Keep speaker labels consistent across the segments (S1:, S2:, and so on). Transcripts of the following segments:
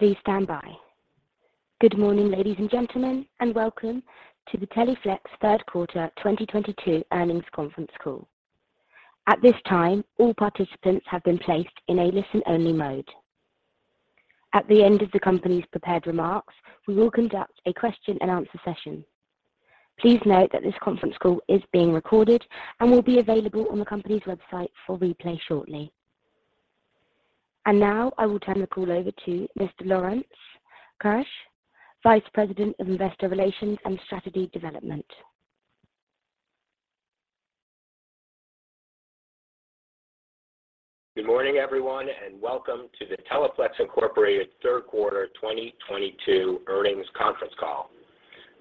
S1: Please stand by. Good morning, ladies and gentlemen, and welcome to the Teleflex third quarter 2022 earnings conference call. At this time, all participants have been placed in a listen-only mode. At the end of the company's prepared remarks, we will conduct a question-and-answer session. Please note that this conference call is being recorded and will be available on the company's website for replay shortly. Now I will turn the call over to Mr. Lawrence Keusch, Vice President of Investor Relations and Strategy Development.
S2: Good morning, everyone, and welcome to the Teleflex Incorporated third quarter 2022 earnings conference call.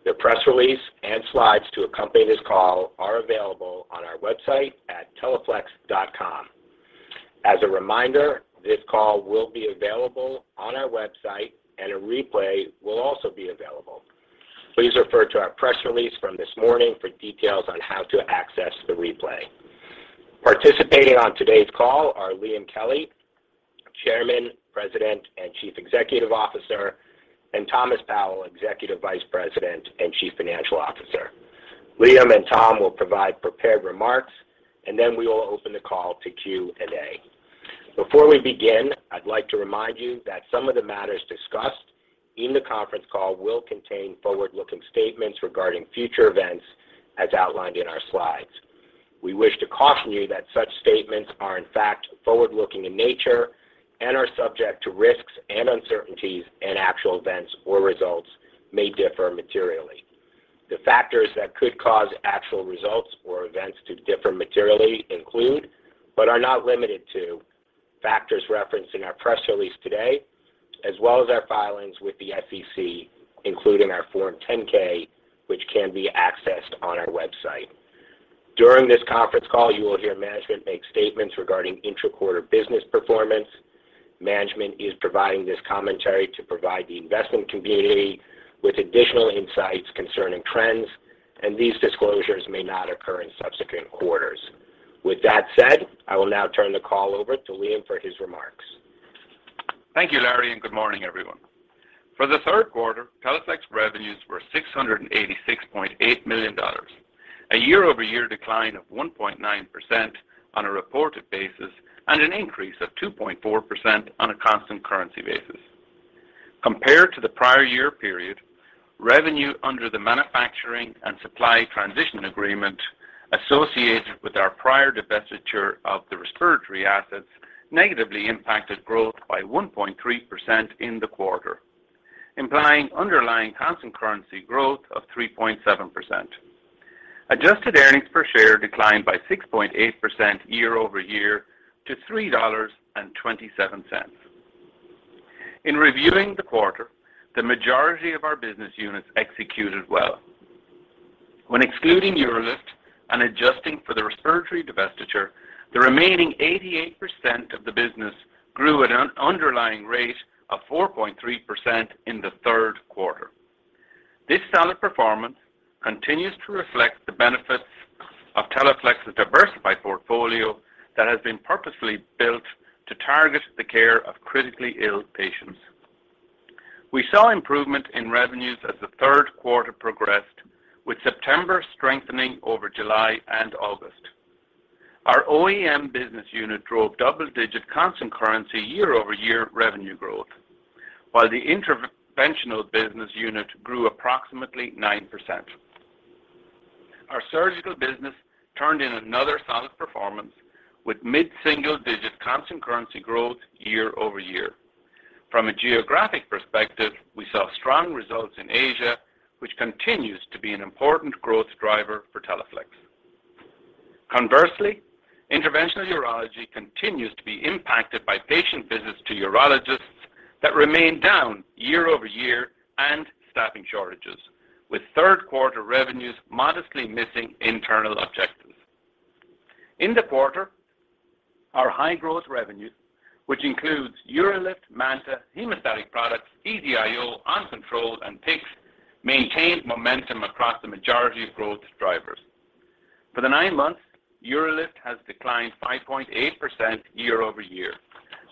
S2: The press release and slides to accompany this call are available on our website at teleflex.com. As a reminder, this call will be available on our website, and a replay will also be available. Please refer to our press release from this morning for details on how to access the replay. Participating on today's call are Liam Kelly, Chairman, President, and Chief Executive Officer, and Thomas Powell, Executive Vice President and Chief Financial Officer. Liam and Tom will provide prepared remarks, and then we will open the call to Q&A. Before we begin, I'd like to remind you that some of the matters discussed in the conference call will contain forward-looking statements regarding future events as outlined in our slides. We wish to caution you that such statements are, in fact, forward-looking in nature and are subject to risks and uncertainties, and actual events or results may differ materially. The factors that could cause actual results or events to differ materially include, but are not limited to, factors referenced in our press release today, as well as our filings with the SEC, including our Form 10-K, which can be accessed on our website. During this conference call, you will hear management make statements regarding intra-quarter business performance. Management is providing this commentary to provide the investment community with additional insights concerning trends, and these disclosures may not occur in subsequent quarters. With that said, I will now turn the call over to Liam for his remarks.
S3: Thank you, Larry, and good morning, everyone. For the third quarter, Teleflex revenues were $686.8 million, a year-over-year decline of 1.9% on a reported basis and an increase of 2.4% on a constant currency basis. Compared to the prior year period, revenue under the manufacturing and supply transition agreement associated with our prior divestiture of the respiratory assets negatively impacted growth by 1.3% in the quarter, implying underlying constant currency growth of 3.7%. Adjusted earnings per share declined by 6.8% year-over-year to $3.27. In reviewing the quarter, the majority of our business units executed well. When excluding UroLift and adjusting for the respiratory divestiture, the remaining 88% of the business grew at an underlying rate of 4.3% in the third quarter. This solid performance continues to reflect the benefits of Teleflex's diversified portfolio that has been purposefully built to target the care of critically ill patients. We saw improvement in revenues as the third quarter progressed, with September strengthening over July and August. Our OEM business unit drove double-digit constant currency year-over-year revenue growth, while the interventional business unit grew approximately 9%. Our surgical business turned in another solid performance with mid-single digit constant currency growth year-over-year. From a geographic perspective, we saw strong results in Asia, which continues to be an important growth driver for Teleflex. Conversely, interventional urology continues to be impacted by patient visits to urologists that remain down year-over-year and staffing shortages, with third quarter revenues modestly missing internal objectives. In the quarter, our high-growth revenues, which includes UroLift, MANTA, hemostatic products, EZ-IO, QuikClot, and PICC, maintained momentum across the majority of growth drivers. For the nine months, UroLift has declined 5.8% year-over-year,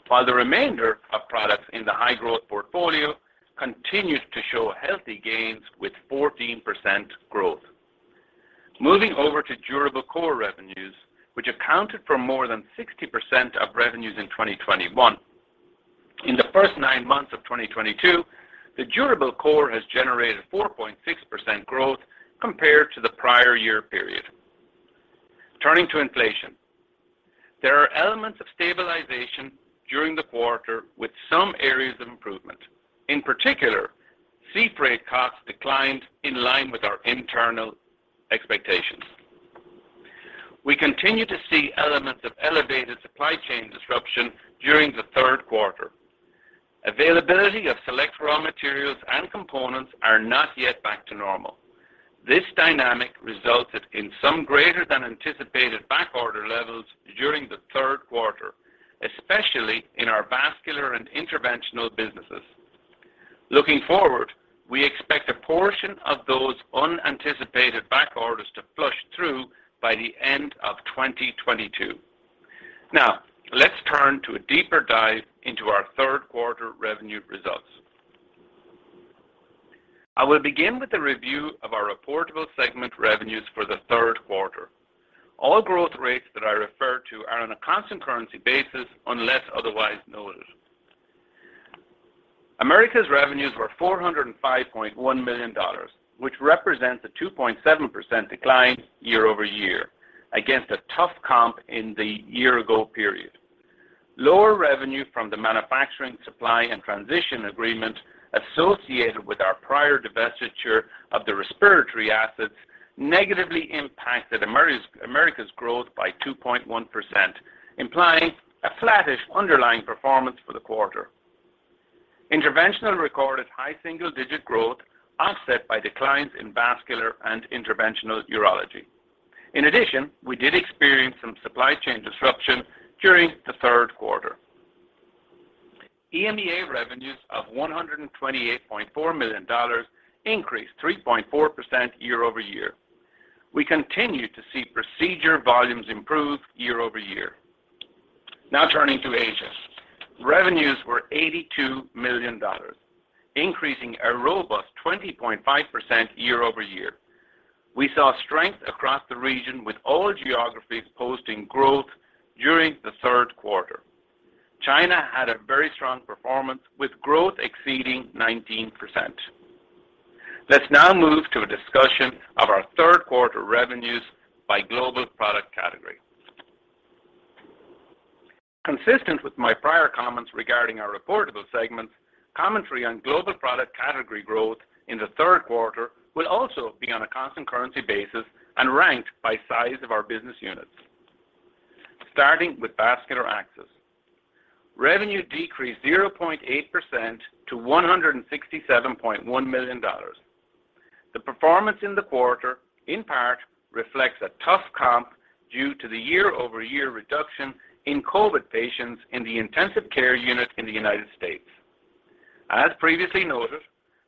S3: while the remainder of products in the high-growth portfolio continued to show healthy gains with 14% growth. Moving over to durable core revenues, which accounted for more than 60% of revenues in 2021. In the first nine months of 2022, the durable core has generated 4.6% growth compared to the prior year period. Turning to inflation, there are elements of stabilization during the quarter with some areas of improvement. In particular, sea freight costs declined in line with our internal expectations. We continue to see elements of elevated supply chain disruption during the third quarter. Availability of select raw materials and components are not yet back to normal. This dynamic resulted in some greater than anticipated backorder levels during the third quarter, especially in our vascular and interventional businesses. Looking forward, we expect a portion of those unanticipated backorders to flush through by the end of 2022. Now, let's turn to a deeper dive into our third quarter revenue results. I will begin with a review of our reportable segment revenues for the third quarter. All growth rates that I refer to are on a constant currency basis unless otherwise noted. Americas revenues were $405.1 million, which represents a 2.7% decline year-over-year against a tough comp in the year-ago period. Lower revenue from the manufacturing supply and transition agreement associated with our prior divestiture of the respiratory assets negatively impacted Americas growth by 2.1%, implying a flattish underlying performance for the quarter. Interventional recorded high single-digit growth offset by declines in vascular and interventional urology. In addition, we did experience some supply chain disruption during the third quarter. EMEA revenues of $128.4 million increased 3.4% year-over-year. We continue to see procedure volumes improve year-over-year. Now turning to Asia. Revenues were $82 million, increasing a robust 20.5% year-over-year. We saw strength across the region with all geographies posting growth during the third quarter. China had a very strong performance with growth exceeding 19%. Let's now move to a discussion of our third quarter revenues by global product category. Consistent with my prior comments regarding our reportable segment, commentary on global product category growth in the third quarter will also be on a constant currency basis and ranked by size of our business units. Starting with Vascular Access. Revenue decreased 0.8% to $167.1 million. The performance in the quarter, in part, reflects a tough comp due to the year-over-year reduction in COVID patients in the intensive care unit in the United States. As previously noted,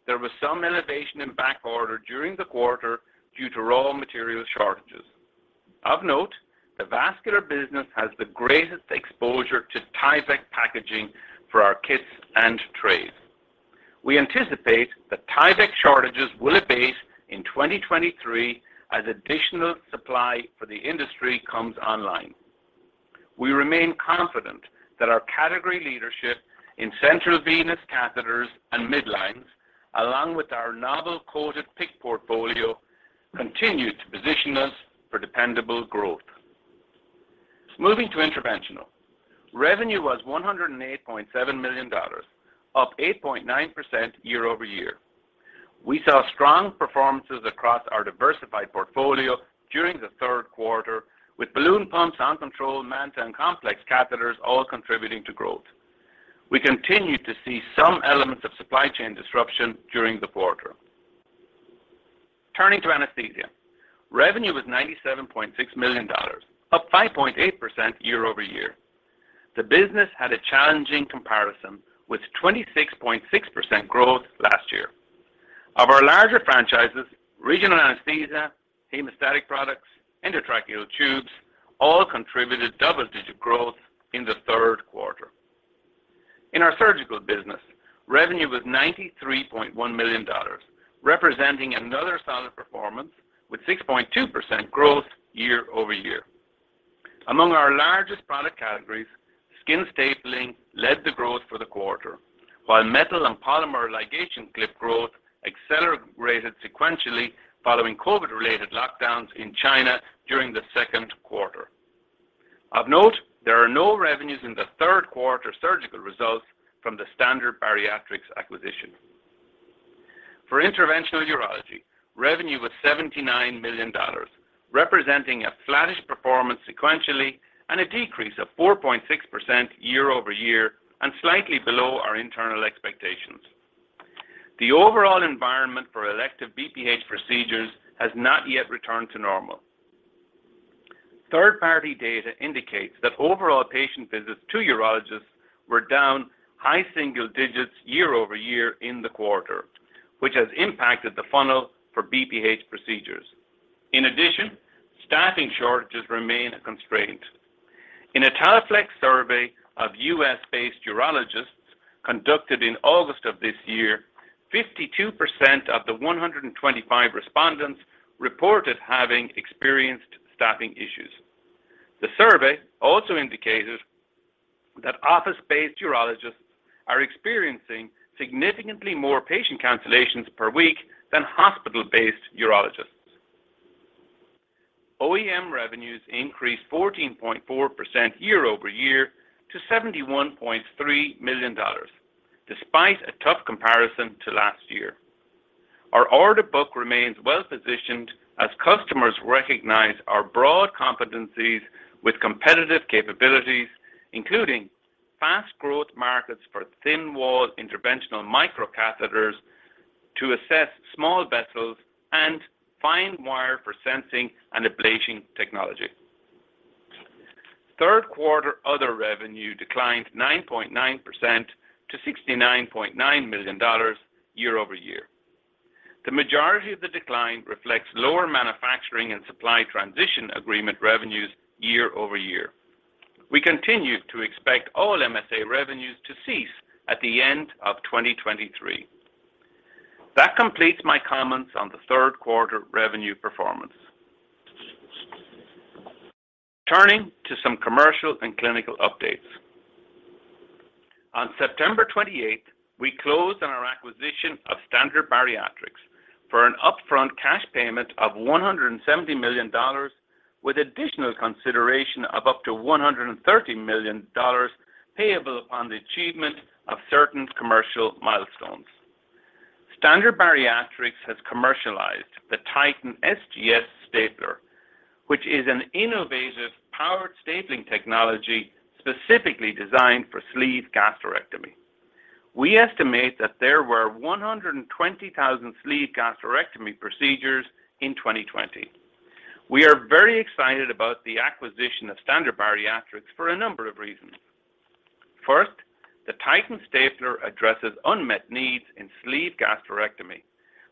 S3: there was some inventory on backorder during the quarter due to raw material shortages. Of note, the vascular business has the greatest exposure to Tyvek packaging for our kits and trays. We anticipate that Tyvek shortages will abate in 2023 as additional supply for the industry comes online. We remain confident that our category leadership in central venous catheters and midlines, along with our novel coated PICC portfolio, continue to position us for dependable growth. Moving to Interventional. Revenue was $108.7 million, up 8.9% year-over-year. We saw strong performances across our diversified portfolio during the third quarter with balloon pumps, uncontrol MANTA, and complex catheters all contributing to growth. We continued to see some elements of supply chain disruption during the quarter. Turning to Anesthesia. Revenue was $97.6 million, up 5.8% year-over-year. The business had a challenging comparison with 26.6% growth last year. Of our larger franchises, regional anesthesia, hemostatic products, endotracheal tubes all contributed double-digit growth in the third quarter. In our Surgical business, revenue was $93.1 million, representing another solid performance with 6.2% growth year-over-year. Among our largest product categories, skin stapling led the growth for the quarter, while metal and polymer ligation clip growth accelerated sequentially following COVID-related lockdowns in China during the second quarter. Of note, there are no revenues in the third quarter surgical results from the Standard Bariatrics acquisition. For Interventional Urology, revenue was $79 million, representing a flattish performance sequentially and a decrease of 4.6% year-over-year and slightly below our internal expectations. The overall environment for elective BPH procedures has not yet returned to normal. Third-party data indicates that overall patient visits to urologists were down high single digits year-over-year in the quarter, which has impacted the funnel for BPH procedures. In addition, staffing shortages remain a constraint. In a Teleflex survey of U.S.-based urologists conducted in August of this year, 52% of the 125 respondents reported having experienced staffing issues. The survey also indicated that office-based urologists are experiencing significantly more patient cancellations per week than hospital-based urologists. OEM revenues increased 14.4% year over year to $71.3 million despite a tough comparison to last year. Our order book remains well-positioned as customers recognize our broad competencies with competitive capabilities, including fast growth markets for thin-walled interventional micro catheters to assess small vessels and fine wire for sensing and ablation technology. Third quarter other revenue declined 9.9% to $69.9 million year over year. The majority of the decline reflects lower manufacturing and supply transition agreement revenues year over year. We continue to expect all MSA revenues to cease at the end of 2023. That completes my comments on the third quarter revenue performance. Turning to some commercial and clinical updates. On September 28th, we closed on our acquisition of Standard Bariatrics for an upfront cash payment of $170 million, with additional consideration of up to $130 million payable upon the achievement of certain commercial milestones. Standard Bariatrics has commercialized the Titan SGS Stapler, which is an innovative powered stapling technology specifically designed for sleeve gastrectomy. We estimate that there were 120,000 sleeve gastrectomy procedures in 2020. We are very excited about the acquisition of Standard Bariatrics for a number of reasons. First, the Titan Stapler addresses unmet needs in sleeve gastrectomy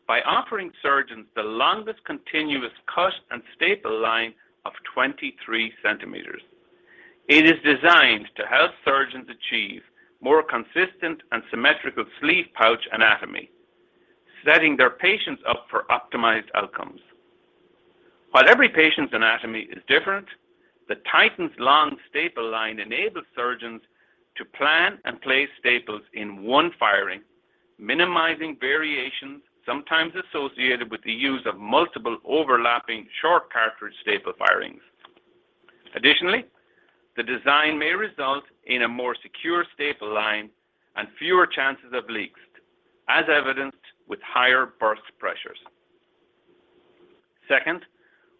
S3: by offering surgeons the longest continuous cut and staple line of 23 cm. It is designed to help surgeons achieve more consistent and symmetrical sleeve pouch anatomy, setting their patients up for optimized outcomes. While every patient's anatomy is different, the Titan's long staple line enables surgeons to plan and place staples in one firing, minimizing variations sometimes associated with the use of multiple overlapping short cartridge staple firings. Additionally, the design may result in a more secure staple line and fewer chances of leaks, as evidenced with higher burst pressures. Second,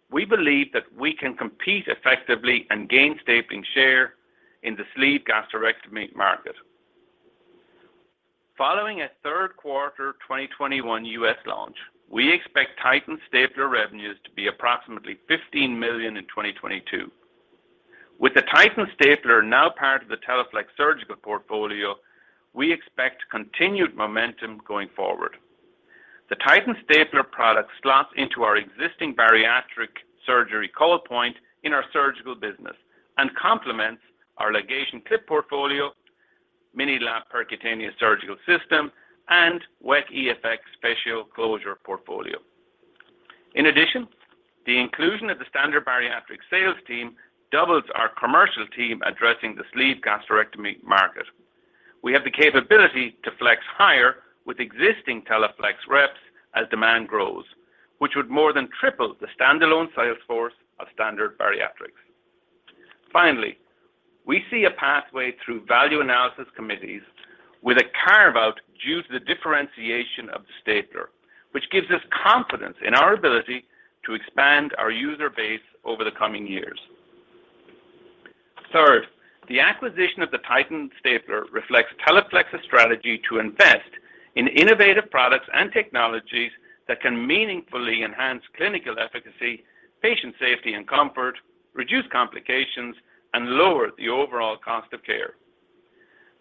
S3: we believe that we can compete effectively and gain stapling share in the sleeve gastrectomy market. Following a third quarter 2021 U.S. launch, we expect Titan Stapler revenues to be approximately $15 million in 2022. With the Titan Stapler now part of the Teleflex surgical portfolio, we expect continued momentum going forward. The Titan Stapler product slots into our existing bariatric surgery call point in our surgical business and complements our Ligation Clip portfolio, MiniLap Percutaneous Surgical System, and Weck EFx fascial closure portfolio. In addition, the inclusion of the Standard Bariatrics sales team doubles our commercial team addressing the sleeve gastrectomy market. We have the capability to flex higher with existing Teleflex reps as demand grows, which would more than triple the standalone sales force of Standard Bariatrics. Finally, we see a pathway through value analysis committees with a carve-out due to the differentiation of the stapler, which gives us confidence in our ability to expand our user base over the coming years. Third, the acquisition of the Titan Stapler reflects Teleflex's strategy to invest in innovative products and technologies that can meaningfully enhance clinical efficacy, patient safety and comfort, reduce complications, and lower the overall cost of care.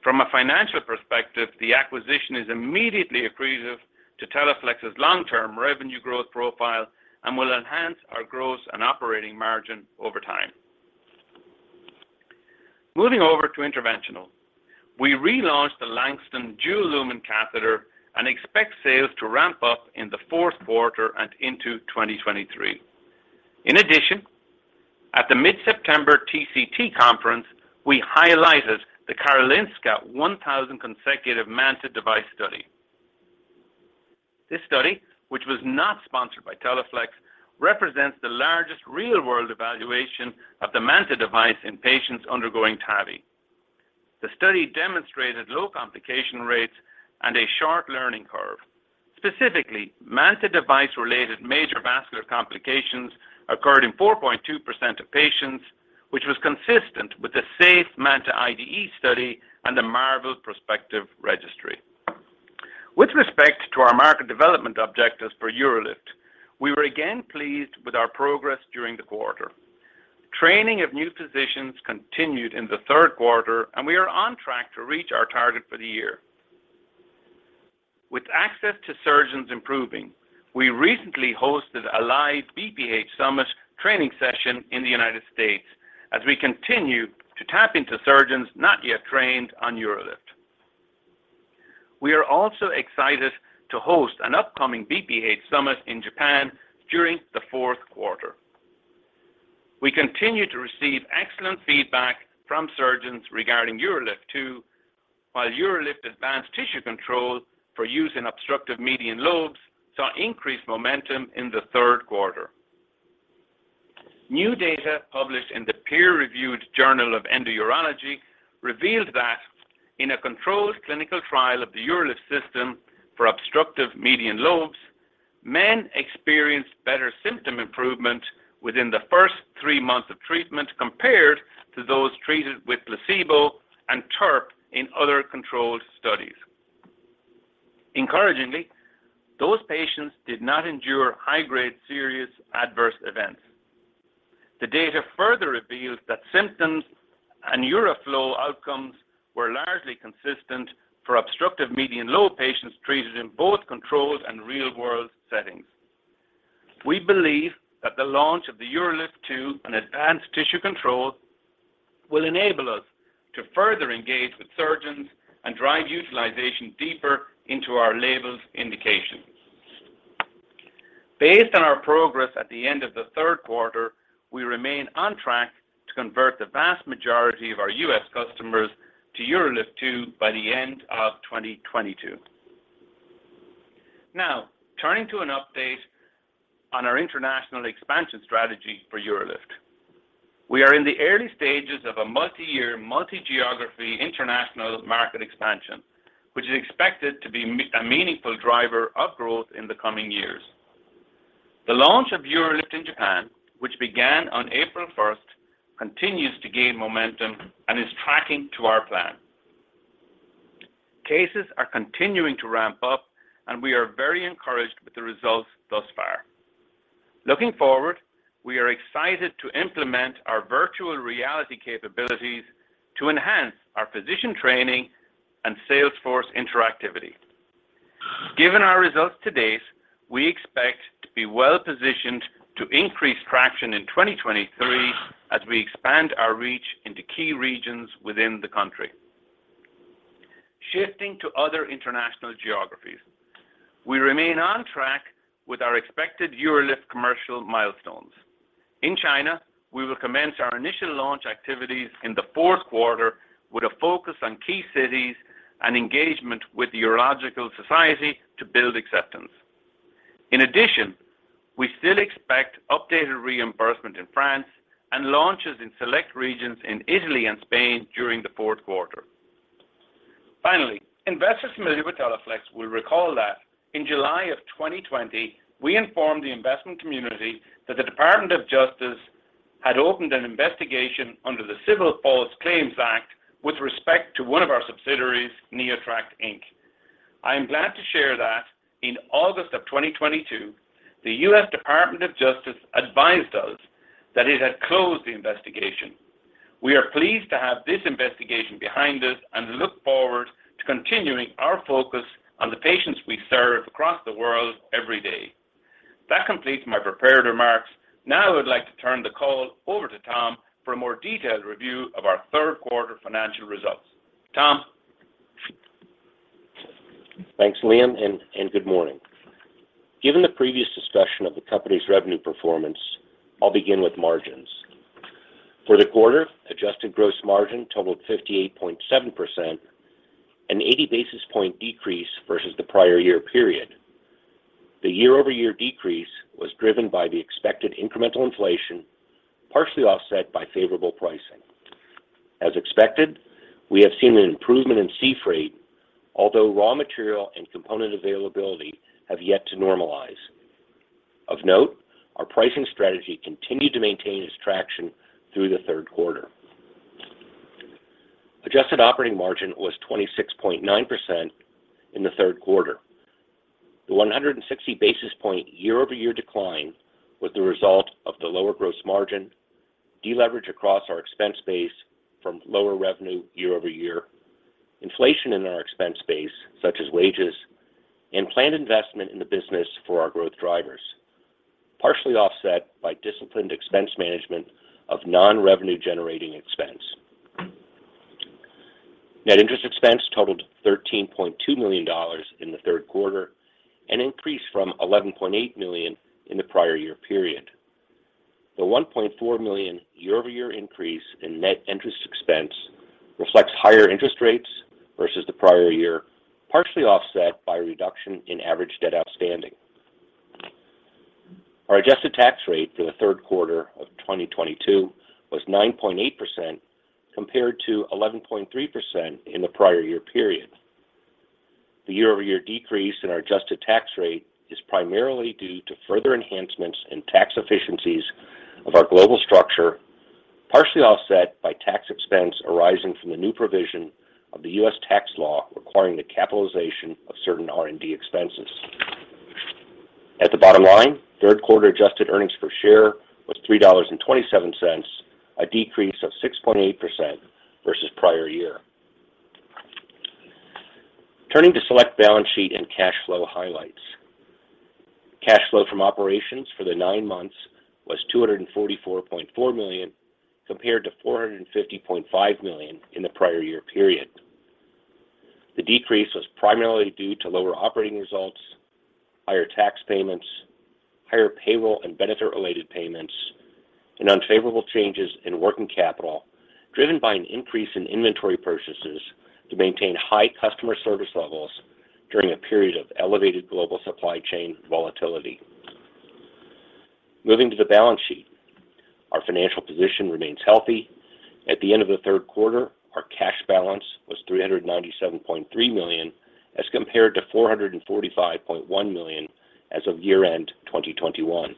S3: From a financial perspective, the acquisition is immediately accretive to Teleflex's long-term revenue growth profile and will enhance our growth and operating margin over time. Moving over to Interventional. We relaunched the Langston Dual Lumen Catheter and expect sales to ramp up in the fourth quarter and into 2023. In addition, at the mid-September TCT conference, we highlighted the Karolinska 1,000 consecutive MANTA device study. This study, which was not sponsored by Teleflex, represents the largest real-world evaluation of the MANTA device in patients undergoing TAVI. The study demonstrated low complication rates and a sharp learning curve. Specifically, MANTA device-related major vascular complications occurred in 4.2% of patients, which was consistent with the SAFE MANTA IDE study and the MARVEL prospective registry. With respect to our market development objectives for UroLift, we were again pleased with our progress during the quarter. Training of new physicians continued in the third quarter and we are on track to reach our target for the year. With access to surgeons improving, we recently hosted a live BPH Summit training session in the United States as we continue to tap into surgeons not yet trained on UroLift. We are also excited to host an upcoming BPH Summit in Japan during the fourth quarter. We continue to receive excellent feedback from surgeons regarding UroLift too, while UroLift Advanced Tissue Control for use in obstructive median lobes saw increased momentum in the third quarter. New data published in the peer-reviewed Journal of Endourology revealed that in a controlled clinical trial of the UroLift system for obstructive median lobes, men experienced better symptom improvement within the first three months of treatment compared to those treated with placebo and TURP in other controlled studies. Encouragingly, those patients did not endure high-grade serious adverse events. The data further reveals that symptoms and uroflow outcomes were largely consistent for obstructive median low patients treated in both controlled and real-world settings. We believe that the launch of the UroLift 2 and advanced tissue control will enable us to further engage with surgeons and drive utilization deeper into our label's indication. Based on our progress at the end of the third quarter, we remain on track to convert the vast majority of our U.S. customers to UroLift 2 by the end of 2022. Now, turning to an update on our international expansion strategy for UroLift. We are in the early stages of a multi-year, multi-geography international market expansion, which is expected to be a meaningful driver of growth in the coming years. The launch of UroLift in Japan, which began on April 1st, continues to gain momentum and is tracking to our plan. Cases are continuing to ramp up, and we are very encouraged with the results thus far. Looking forward, we are excited to implement our virtual reality capabilities to enhance our physician training and sales force interactivity. Given our results to date, we expect to be well-positioned to increase traction in 2023 as we expand our reach into key regions within the country. Shifting to other international geographies. We remain on track with our expected UroLift commercial milestones. In China, we will commence our initial launch activities in the fourth quarter with a focus on key cities and engagement with the Urological Society to build acceptance. In addition, we still expect updated reimbursement in France and launches in select regions in Italy and Spain during the fourth quarter. Finally, investors familiar with Teleflex will recall that in July 2020, we informed the investment community that the Department of Justice had opened an investigation under the False Claims Act with respect to one of our subsidiaries, NeoTract, Inc. I am glad to share that in August 2022, the U.S. Department of Justice advised us that it had closed the investigation. We are pleased to have this investigation behind us and look forward to continuing our focus on the patients we serve across the world every day. That completes my prepared remarks. Now I would like to turn the call over to Tom for a more detailed review of our third quarter financial results. Tom.
S4: Thanks, Liam, and good morning. Given the previous discussion of the company's revenue performance, I'll begin with margins. For the quarter, adjusted gross margin totaled 58.7%, an 80 basis point decrease versus the prior year period. The year-over-year decrease was driven by the expected incremental inflation, partially offset by favorable pricing. As expected, we have seen an improvement in sea freight, although raw material and component availability have yet to normalize. Of note, our pricing strategy continued to maintain its traction through the third quarter. Adjusted operating margin was 26.9% in the third quarter. The 160 basis point year-over-year decline was the result of the lower gross margin, deleverage across our expense base from lower revenue year over year, inflation in our expense base, such as wages, and planned investment in the business for our growth drivers, partially offset by disciplined expense management of non-revenue generating expense. Net interest expense totaled $13.2 million in the third quarter and increased from $11.8 million in the prior year period. The $1.4 million year-over-year increase in net interest expense reflects higher interest rates versus the prior year, partially offset by a reduction in average debt outstanding. Our adjusted tax rate for the third quarter of 2022 was 9.8% compared to 11.3% in the prior year period. The year-over-year decrease in our adjusted tax rate is primarily due to further enhancements in tax efficiencies of our global structure, partially offset by tax expense arising from the new provision of the U.S. tax law requiring the capitalization of certain R&D expenses. At the bottom line, third quarter adjusted earnings per share was $3.27, a decrease of 6.8% versus prior year. Turning to select balance sheet and cash flow highlights. Cash flow from operations for the nine months was $244.4 million, compared to $450.5 million in the prior year period. The decrease was primarily due to lower operating results, higher tax payments, higher payroll and benefit-related payments, and unfavorable changes in working capital, driven by an increase in inventory purchases to maintain high customer service levels during a period of elevated global supply chain volatility. Moving to the balance sheet. Our financial position remains healthy. At the end of the third quarter, our cash balance was $397.3 million, as compared to $445.1 million as of year-end 2021.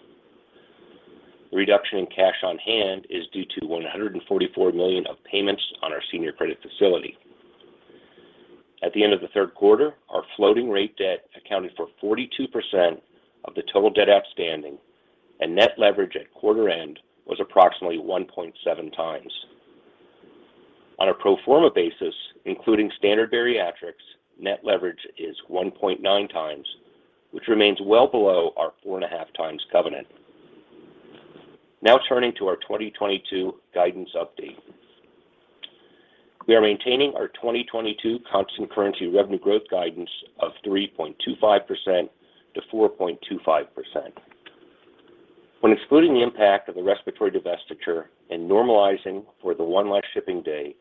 S4: The reduction in cash on hand is due to $144 million of payments on our senior credit facility. At the end of the third quarter, our floating rate debt accounted for 42% of the total debt outstanding, and net leverage at quarter end was approximately 1.7x. On a pro forma basis, including Standard Bariatrics, net leverage is 1.9x, which remains well below our 4.5x covenant. Now turning to our 2022 guidance update. We are maintaining our 2022 constant currency revenue growth guidance of 3.25%-4.25%. When excluding the impact of the respiratory divestiture and normalizing for the one less shipping day,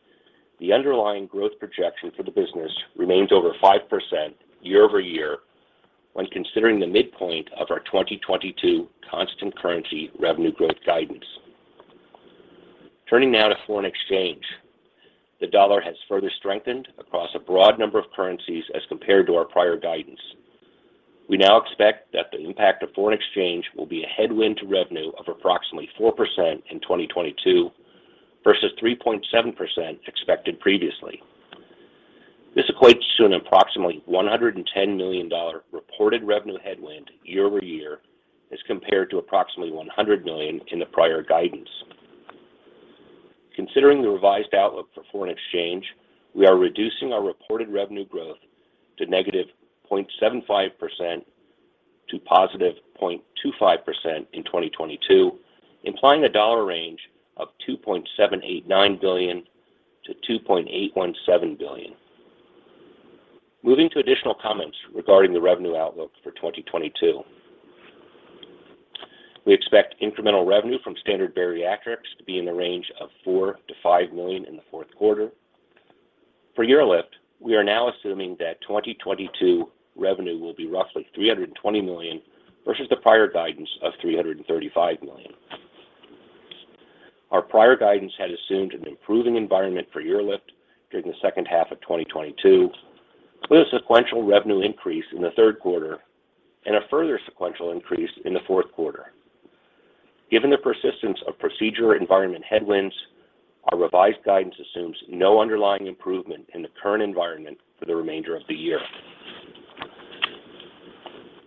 S4: the underlying growth projection for the business remains over 5% year-over-year when considering the midpoint of our 2022 constant currency revenue growth guidance. Turning now to foreign exchange. The dollar has further strengthened across a broad number of currencies as compared to our prior guidance. We now expect that the impact of foreign exchange will be a headwind to revenue of approximately 4% in 2022 versus 3.7% expected previously. This equates to an approximately $110 million reported revenue headwind year over year as compared to approximately $100 million in the prior guidance. Considering the revised outlook for foreign exchange, we are reducing our reported revenue growth to -0.75% to +0.25% in 2022, implying a dollar range of $2.789 billion-$2.817 billion. Moving to additional comments regarding the revenue outlook for 2022. We expect incremental revenue from Standard Bariatrics to be in the range of $4 million-$5 million in the fourth quarter. For UroLift, we are now assuming that 2022 revenue will be roughly $320 million versus the prior guidance of $335 million. Our prior guidance had assumed an improving environment for UroLift during the second half of 2022, with a sequential revenue increase in the third quarter and a further sequential increase in the fourth quarter. Given the persistence of procedure environment headwinds, our revised guidance assumes no underlying improvement in the current environment for the remainder of the year.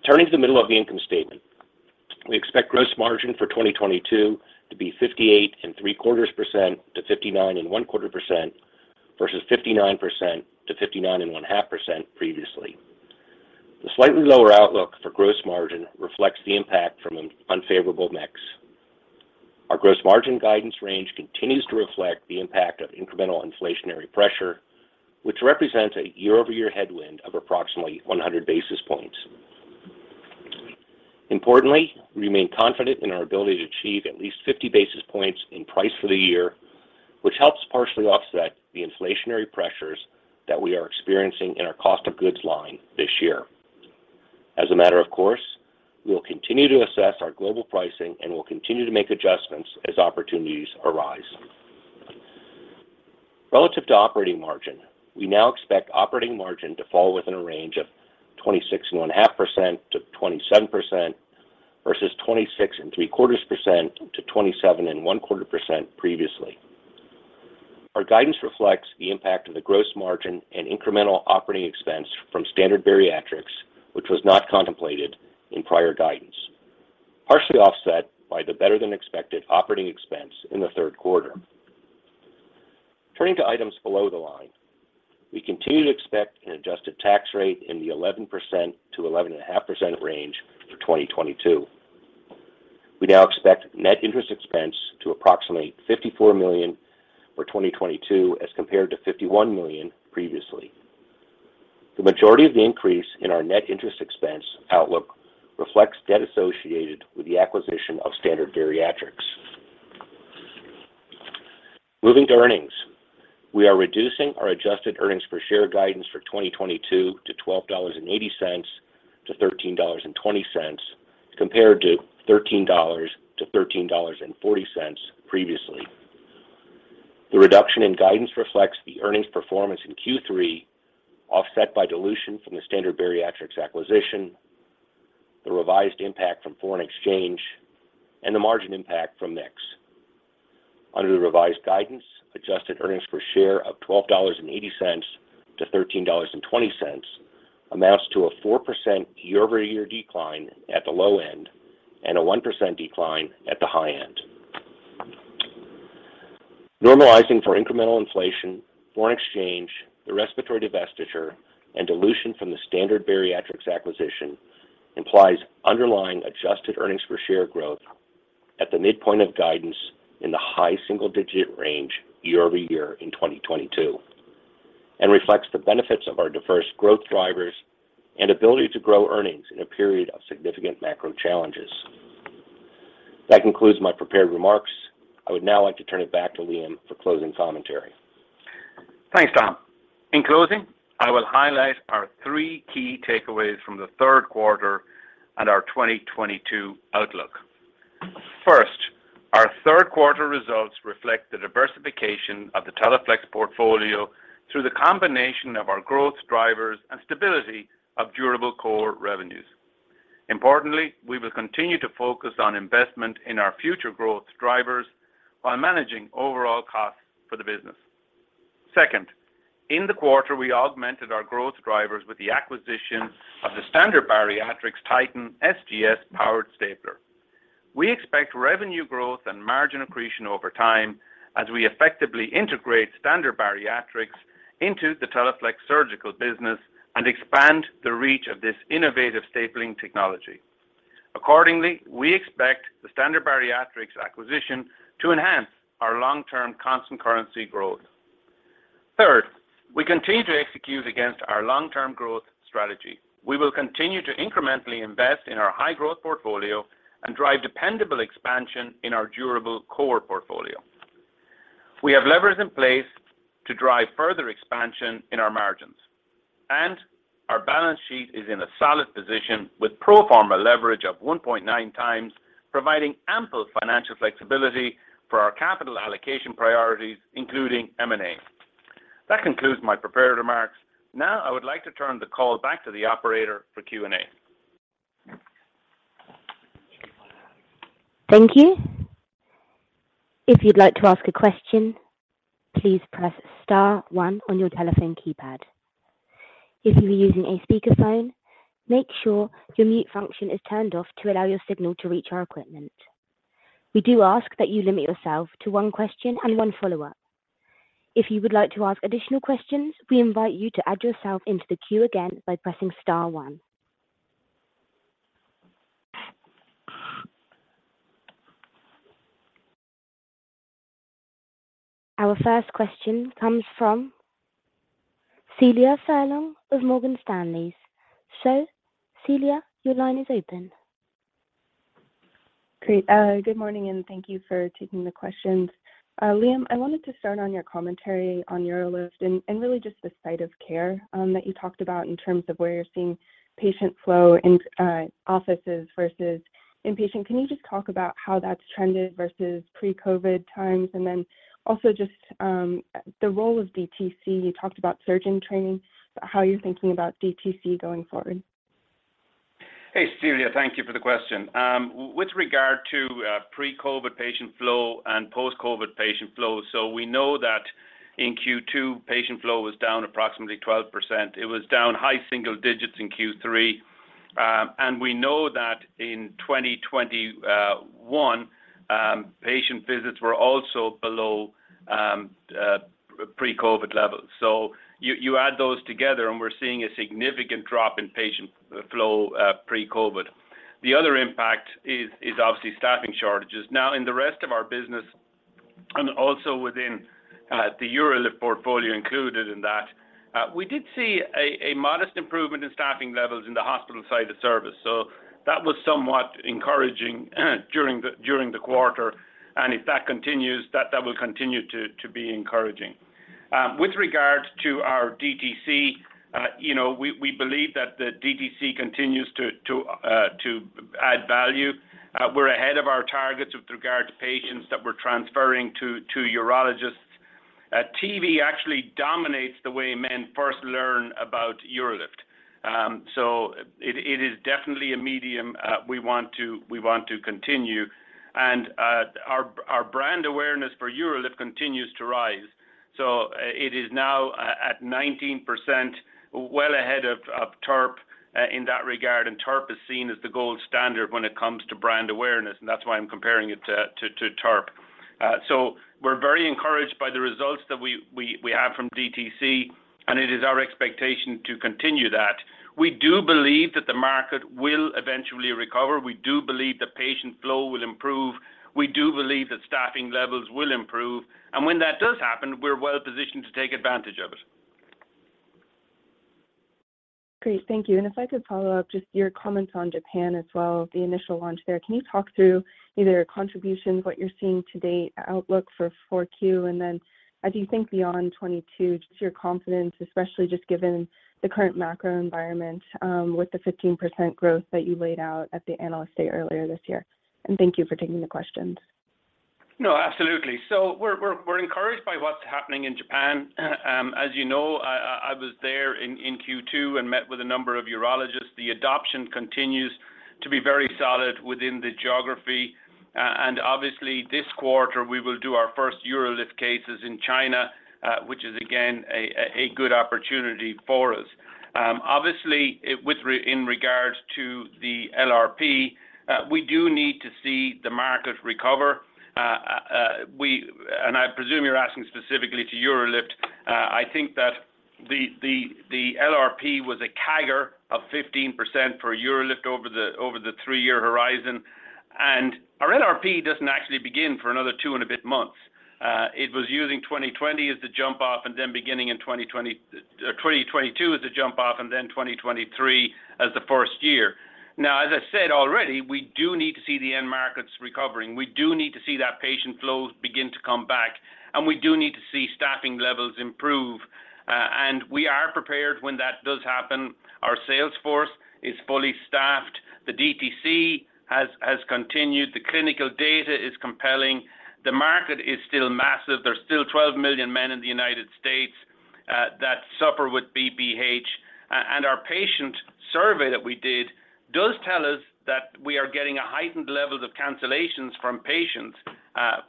S4: Turning to the middle of the income statement. We expect gross margin for 2022 to be 58 and three quarters percent to 59 and one quarter percent versus 59%-59.5% previously. The slightly lower outlook for gross margin reflects the impact from an unfavorable mix. Our gross margin guidance range continues to reflect the impact of incremental inflationary pressure, which represents a year-over-year headwind of approximately 100 basis points. Importantly, we remain confident in our ability to achieve at least 50 basis points in price for the year, which helps partially offset the inflationary pressures that we are experiencing in our cost of goods line this year. As a matter of course, we will continue to assess our global pricing and will continue to make adjustments as opportunities arise. Relative to operating margin, we now expect operating margin to fall within a range of 26.5%-27% versus 26 and three quarters percent to 27 and one quarter percent previously. Our guidance reflects the impact of the gross margin and incremental operating expense from Standard Bariatrics, which was not contemplated in prior guidance, partially offset by the better-than-expected operating expense in the third quarter. Turning to items below the line. We continue to expect an adjusted tax rate in the 11%-11.5% range for 2022. We now expect net interest expense to approximately $54 million for 2022 as compared to $51 million previously. The majority of the increase in our net interest expense outlook reflects debt associated with the acquisition of Standard Bariatrics. Moving to earnings. We are reducing our adjusted earnings per share guidance for 2022 to $12.80-$13.20, compared to $13-$13.40 previously. The reduction in guidance reflects the earnings performance in Q3, offset by dilution from the Standard Bariatrics acquisition, the revised impact from foreign exchange, and the margin impact from mix. Under the revised guidance, adjusted earnings per share of $12.80-$13.20 amounts to a 4% year-over-year decline at the low end, a 1% decline at the high end. Normalizing for incremental inflation, foreign exchange, the respiratory divestiture, and dilution from the Standard Bariatrics acquisition implies underlying adjusted earnings per share growth at the midpoint of guidance in the high single-digit range year-over-year in 2022 and reflects the benefits of our diverse growth drivers and ability to grow earnings in a period of significant macro challenges. That concludes my prepared remarks. I would now like to turn it back to Liam for closing commentary.
S3: Thanks, Tom. In closing, I will highlight our three key takeaways from the third quarter and our 2022 outlook. First, our third quarter results reflect the diversification of the Teleflex portfolio through the combination of our growth drivers and stability of durable core revenues. Importantly, we will continue to focus on investment in our future growth drivers while managing overall costs for the business. Second, in the quarter, we augmented our growth drivers with the acquisition of the Standard Bariatrics Titan SGS powered stapler. We expect revenue growth and margin accretion over time as we effectively integrate Standard Bariatrics into the Teleflex surgical business and expand the reach of this innovative stapling technology. Accordingly, we expect the Standard Bariatrics acquisition to enhance our long-term constant currency growth. Third, we continue to execute against our long-term growth strategy. We will continue to incrementally invest in our high-growth portfolio and drive dependable expansion in our durable core portfolio. We have levers in place to drive further expansion in our margins, and our balance sheet is in a solid position with pro forma leverage of 1.9x, providing ample financial flexibility for our capital allocation priorities, including M&A. That concludes my prepared remarks. Now, I would like to turn the call back to the operator for Q&A.
S1: Thank you. If you'd like to ask a question, please press star one on your telephone keypad. If you are using a speakerphone, make sure your mute function is turned off to allow your signal to reach our equipment. We do ask that you limit yourself to one question and one follow-up. If you would like to ask additional questions, we invite you to add yourself into the queue again by pressing star one. Our first question comes from Celia Furlong of Morgan Stanley. Celia, your line is open.
S5: Great. Good morning, and thank you for taking the questions. Liam, I wanted to start on your commentary on UroLift and really just the site of care that you talked about in terms of where you're seeing patient flow in offices versus inpatient. Can you just talk about how that's trended versus pre-COVID times? Then also just the role of DTC. You talked about surgeon training, but how you're thinking about DTC going forward.
S3: Hey, Celia. Thank you for the question. With regard to pre-COVID patient flow and post-COVID patient flow, we know that in Q2, patient flow was down approximately 12%. It was down high single digits in Q3. We know that in 2021, patient visits were also below pre-COVID levels. You add those together, and we're seeing a significant drop in patient flow pre-COVID. The other impact is obviously staffing shortages. Now, in the rest of our business and also within the UroLift portfolio included in that, we did see a modest improvement in staffing levels in the hospital side of the service. That was somewhat encouraging during the quarter, and if that continues, that will continue to be encouraging. With regard to our DTC, you know, we believe that the DTC continues to add value. We're ahead of our targets with regard to patients that we're transferring to urologists. TV actually dominates the way men first learn about UroLift. It is definitely a medium we want to continue. Our brand awareness for UroLift continues to rise. It is now at 19%, well ahead of TURP in that regard. TURP is seen as the gold standard when it comes to brand awareness, and that's why I'm comparing it to TURP. We're very encouraged by the results that we have from DTC, and it is our expectation to continue that. We do believe that the market will eventually recover. We do believe the patient flow will improve. We do believe that staffing levels will improve. When that does happen, we're well positioned to take advantage of it.
S5: Great. Thank you. If I could follow up, just your comments on Japan as well, the initial launch there. Can you talk through either contributions, what you're seeing to date, outlook for Q4? Then as you think beyond 2022, just your confidence, especially just given the current macro environment, with the 15% growth that you laid out at the Analyst Day earlier this year. Thank you for taking the questions.
S3: No, absolutely. We're encouraged by what's happening in Japan. As you know, I was there in Q2 and met with a number of urologists. The adoption continues to be very solid within the geography. Obviously this quarter, we will do our first UroLift cases in China, which is again a good opportunity for us. Obviously, with regards to the LRP, we do need to see the market recover. I presume you're asking specifically to UroLift. I think that the LRP was a CAGR of 15% for UroLift over the three-year horizon. Our LRP doesn't actually begin for another two and a bit months. It was using 2020 as the jump-off, and then beginning in 2022 as the jump-off, and then 2023 as the first year. Now, as I said already, we do need to see the end markets recovering. We do need to see that patient flow begin to come back, and we do need to see staffing levels improve. We are prepared when that does happen. Our sales force is fully staffed. The DTC has continued. The clinical data is compelling. The market is still massive. There's still 12 million men in the United States that suffer with BPH. Our patient survey that we did does tell us that we are getting a heightened level of cancellations from patients,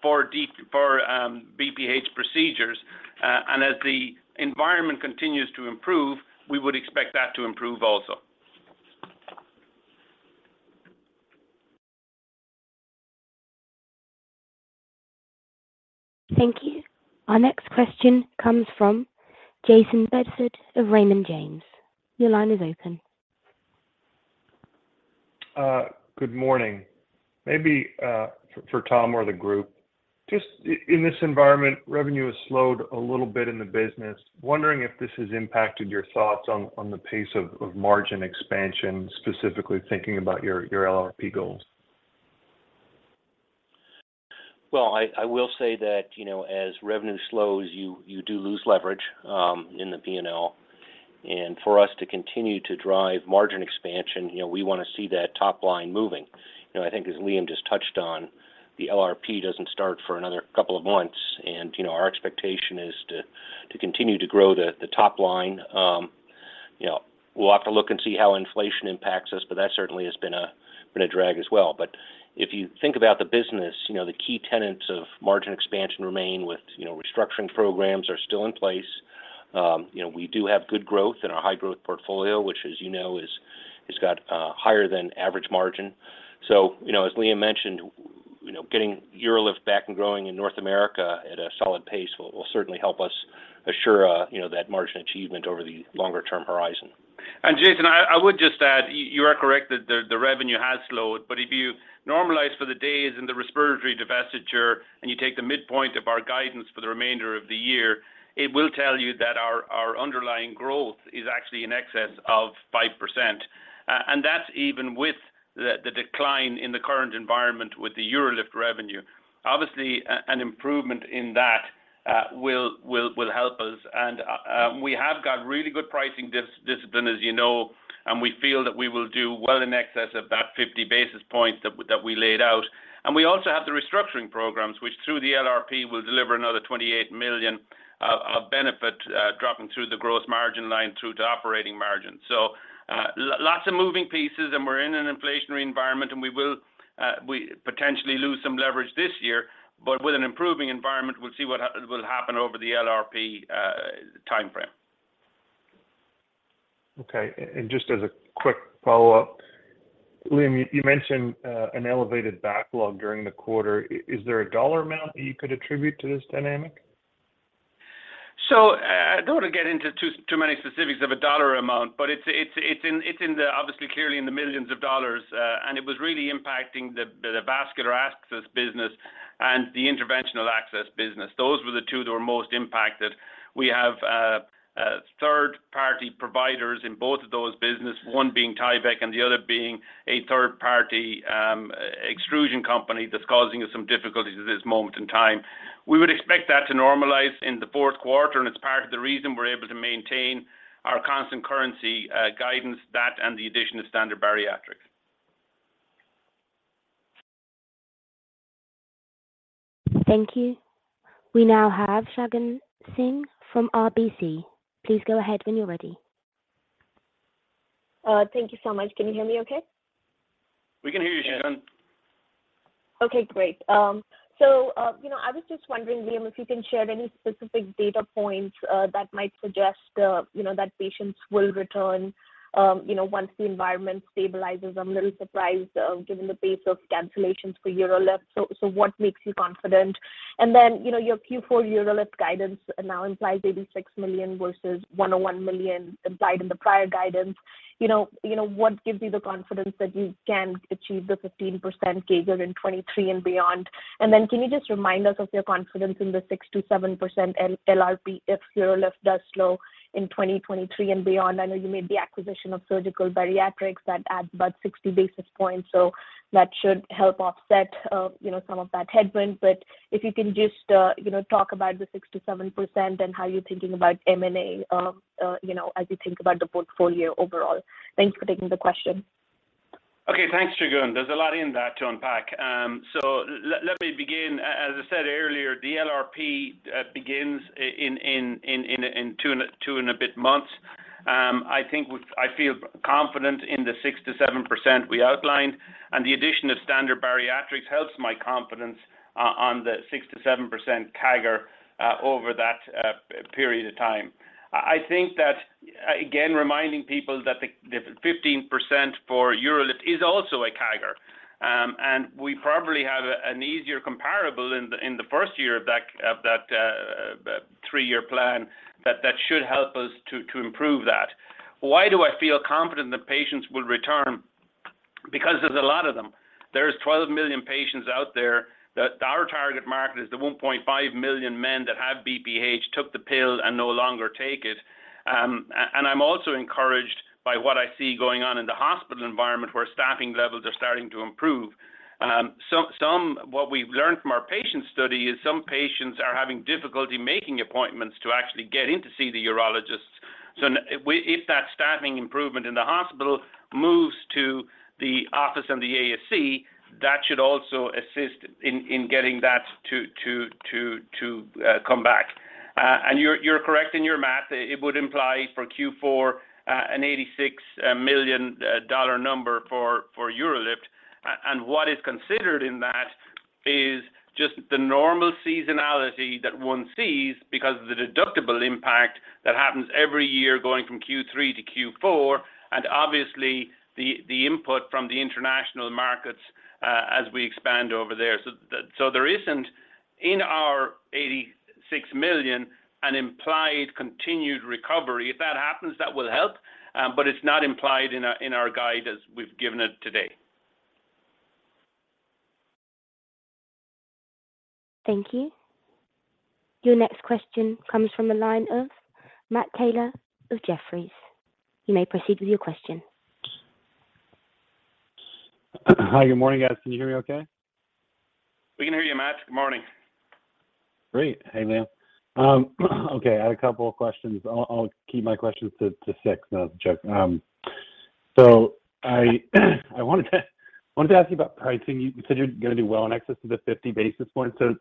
S3: for BPH procedures. As the environment continues to improve, we would expect that to improve also.
S1: Thank you. Our next question comes from Jayson Bedford of Raymond James. Your line is open.
S6: Good morning. Maybe for Tom or the group, just in this environment, revenue has slowed a little bit in the business. Wondering if this has impacted your thoughts on the pace of margin expansion, specifically thinking about your LRP goals.
S4: Well, I will say that, you know, as revenue slows, you do lose leverage in the P&L. For us to continue to drive margin expansion, you know, we wanna see that top line moving. You know, I think as Liam just touched on, the LRP doesn't start for another couple of months. You know, our expectation is to continue to grow the top line. You know, we'll have to look and see how inflation impacts us, but that certainly has been a drag as well. If you think about the business, you know, the key tenets of margin expansion remain with, you know, restructuring programs are still in place. You know, we do have good growth in our high-growth portfolio, which, as you know, has got higher than average margin. You know, as Liam mentioned, you know, getting UroLift back and growing in North America at a solid pace will certainly help us assure, you know, that margin achievement over the longer term horizon.
S3: Jason, I would just add, you are correct that the revenue has slowed. If you normalize for the days and the respiratory divestiture, and you take the midpoint of our guidance for the remainder of the year, it will tell you that our underlying growth is actually in excess of 5%. That's even with the decline in the current environment with the UroLift revenue. Obviously, an improvement in that will help us. We have got really good pricing discipline, as you know, and we feel that we will do well in excess of that 50 basis points that we laid out. We also have the restructuring programs, which through the LRP will deliver another $28 million of benefit, dropping through the gross margin line through to operating margin. Lots of moving pieces, and we're in an inflationary environment, and we will potentially lose some leverage this year, but with an improving environment, we'll see what will happen over the LRP timeframe.
S6: Okay. Just as a quick follow-up, Liam, you mentioned an elevated backlog during the quarter. Is there a dollar amount that you could attribute to this dynamic?
S3: I don't want to get into too many specifics of a dollar amount, but it's in the, obviously, clearly in the millions of dollars. It was really impacting the vascular access business and the interventional access business. Those were the two that were most impacted. We have third-party providers in both of those businesses, one being Tyvek and the other being a third-party extrusion company that's causing us some difficulties at this moment in time. We would expect that to normalize in the fourth quarter, and it's part of the reason we're able to maintain our constant currency guidance, that and the addition of Standard Bariatrics.
S1: Thank you. We now have Shagun Singh from RBC. Please go ahead when you're ready.
S7: Thank you so much. Can you hear me okay?
S3: We can hear you, Shagun.
S7: Okay, great. You know, I was just wondering, Liam, if you can share any specific data points that might suggest, you know, that patients will return once the environment stabilizes. I'm a little surprised given the pace of cancellations for UroLift. What makes you confident? You know, your Q4 UroLift guidance now implies $86 million versus $101 million implied in the prior guidance. You know, what gives you the confidence that you can achieve the 15% CAGR in 2023 and beyond? Can you just remind us of your confidence in the 6%-7% LRP if UroLift does slow in 2023 and beyond? I know you made the acquisition of Standard Bariatrics that adds about 60 basis points, so that should help offset, you know, some of that headwind. If you can just, you know, talk about the 6%-7% and how you're thinking about M&A, you know, as you think about the portfolio overall. Thanks for taking the question.
S3: Okay, thanks, Shagun. There's a lot in that to unpack. Let me begin. As I said earlier, the LRP begins in two and a bit months. I think I feel confident in the 6%-7% we outlined, and the addition of Standard Bariatrics helps my confidence on the 6%-7% CAGR over that period of time. I think that, again, reminding people that the 15% for UroLift is also a CAGR. We probably have an easier comparable in the first year of that three-year plan that should help us to improve that. Why do I feel confident that patients will return? Because there's a lot of them. There's 12 million patients out there that our target market is the 1.5 million men that have BPH, took the pill and no longer take it. I'm also encouraged by what I see going on in the hospital environment where staffing levels are starting to improve. What we've learned from our patient study is some patients are having difficulty making appointments to actually get in to see the urologist. So if that staffing improvement in the hospital moves to the office of the ASC, that should also assist in getting that to come back. You're correct in your math. It would imply for Q4 an $86 million dollar number for UroLift. What is considered in that is just the normal seasonality that one sees because of the deductible impact that happens every year going from Q3-Q4, and obviously the input from the international markets as we expand over there. There isn't in our $86 million an implied continued recovery. If that happens, that will help, but it's not implied in our guide as we've given it today.
S1: Thank you. Your next question comes from the line of Matt Taylor with Jefferies. You may proceed with your question.
S8: Hi, good morning, guys. Can you hear me okay?
S3: We can hear you, Matt. Good morning.
S8: Great. Hey, Liam. Okay. I had a couple of questions. I'll keep my questions to six. No joke. I wanted to ask you about pricing. You said you're gonna do well in excess of the 50 basis points. Can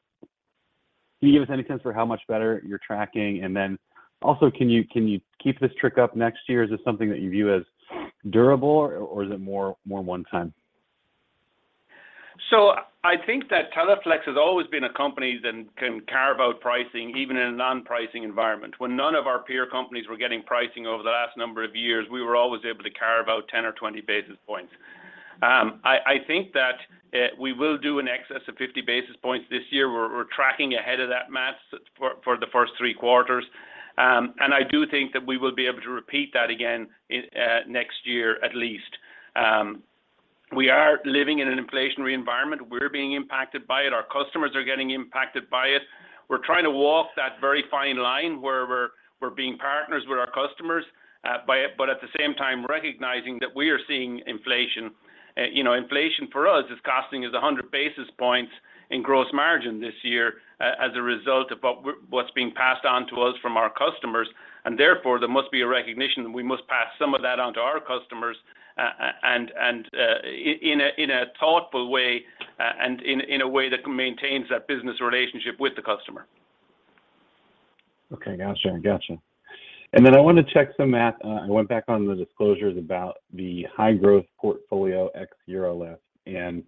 S8: you give us any sense for how much better you're tracking? And then also, can you keep this trick up next year? Is this something that you view as durable or is it more one time?
S3: I think that Teleflex has always been a company that can carve out pricing even in a non-pricing environment. When none of our peer companies were getting pricing over the last number of years, we were always able to carve out 10 or 20 basis points. I think that we will do in excess of 50 basis points this year. We're tracking ahead of that, Matt, for the first three quarters. I do think that we will be able to repeat that again in next year, at least. We are living in an inflationary environment. We're being impacted by it. Our customers are getting impacted by it. We're trying to walk that very fine line where we're being partners with our customers by it, but at the same time recognizing that we are seeing inflation. You know, inflation for us is costing us 100 basis points in gross margin this year as a result of what's being passed on to us from our customers, and therefore, there must be a recognition that we must pass some of that on to our customers, in a thoughtful way, and in a way that maintains that business relationship with the customer.
S8: Okay. Got you. I wanted to check some math. I went back on the disclosures about the high-growth portfolio ex UroLift, and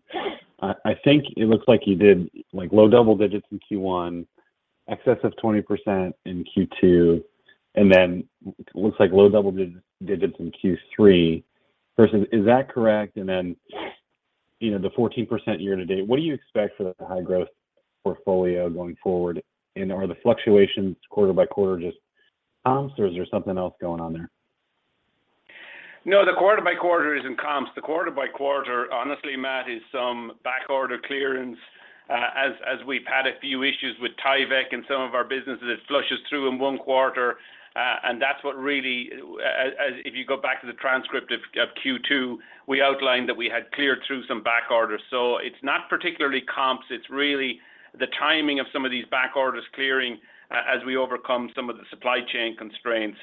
S8: I think it looks like you did, like, low double digits in Q1, excess of 20% in Q2, and then looks like low double digits in Q3. Is that correct? You know, the 14% year to date, what do you expect for the high-growth portfolio going forward? Are the fluctuations quarter by quarter just comps or is there something else going on there?
S3: No, the quarter-over-quarter isn't comps. The quarter-over-quarter, honestly, Matt, is some backorder clearance. As we've had a few issues with Tyvek in some of our businesses, it flushes through in one quarter. That's what really, as if you go back to the transcript of Q2, we outlined that we had cleared through some backorders. It's not particularly comps, it's really the timing of some of these backorders clearing as we overcome some of the supply chain constraints.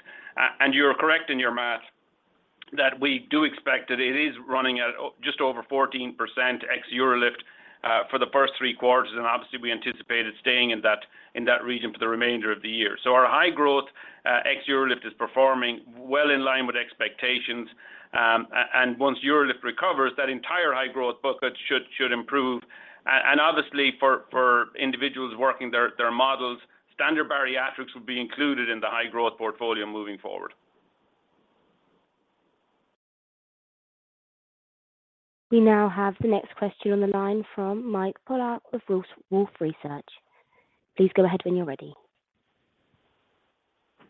S3: You're correct in your math that we do expect that it is running at just over 14% ex UroLift for the first three quarters, and obviously we anticipate it staying in that region for the remainder of the year. Our high growth ex UroLift is performing well in line with expectations. Once UroLift recovers, that entire high-growth bucket should improve. Obviously for individuals working their models, Standard Bariatrics will be included in the high-growth portfolio moving forward.
S1: We now have the next question on the line from Mike Polark with Wolfe Research. Please go ahead when you're ready.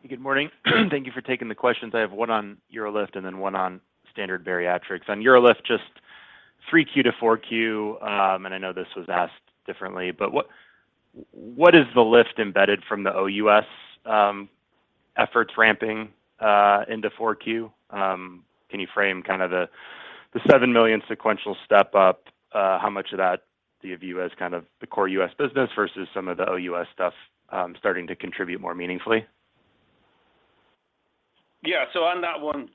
S9: Good morning. Thank you for taking the questions. I have one on UroLift and then one on Standard Bariatrics. On UroLift, just 3Q-4Q, and I know this was asked differently, but what is the lift embedded from the OUS efforts ramping into 4Q? Can you frame kind of the $7 million sequential step-up, how much of that do you view as kind of the core U.S. business versus some of the OUS stuff starting to contribute more meaningfully?
S3: On that one,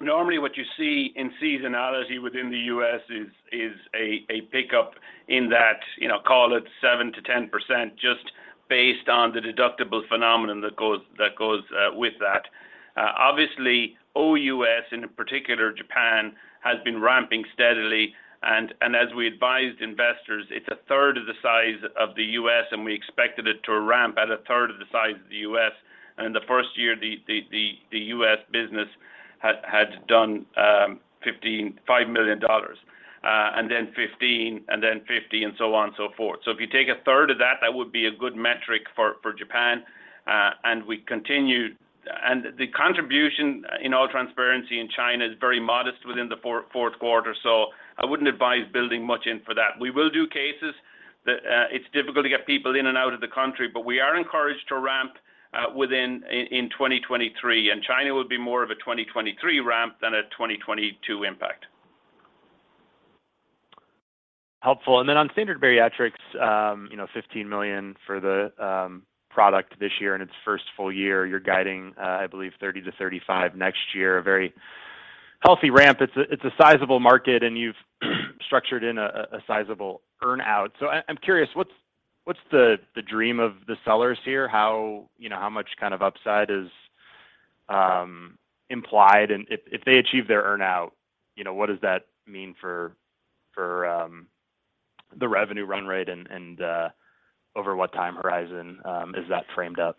S3: normally what you see in seasonality within the U.S. is a pickup in that, you know, call it 7%-10% just based on the deductible phenomenon that goes with that. Obviously, OUS, in particular Japan, has been ramping steadily. As we advised investors, it's a third of the size of the U.S., and we expected it to ramp at a third of the size of the U.S. In the first year, the U.S. business had done $5 million, and then $15 million, and then $50 million, and so on and so forth. If you take a third of that would be a good metric for Japan. The contribution in all transparency in China is very modest within the fourth quarter, so I wouldn't advise building much in for that. We will do cases that it's difficult to get people in and out of the country, but we are encouraged to ramp within in 2023, and China will be more of a 2023 ramp than a 2022 impact.
S9: Helpful. Then on Standard Bariatrics, you know, $15 million for the product this year in its first full year. You're guiding, I believe, $30 million-$35 million next year. A very healthy ramp. It's a sizable market, and you've structured in a sizable earn-out. I'm curious, what's the dream of the sellers here? How, you know, how much kind of upside is implied? And if they achieve their earn-out, you know, what does that mean for the revenue run rate and over what time horizon is that framed up?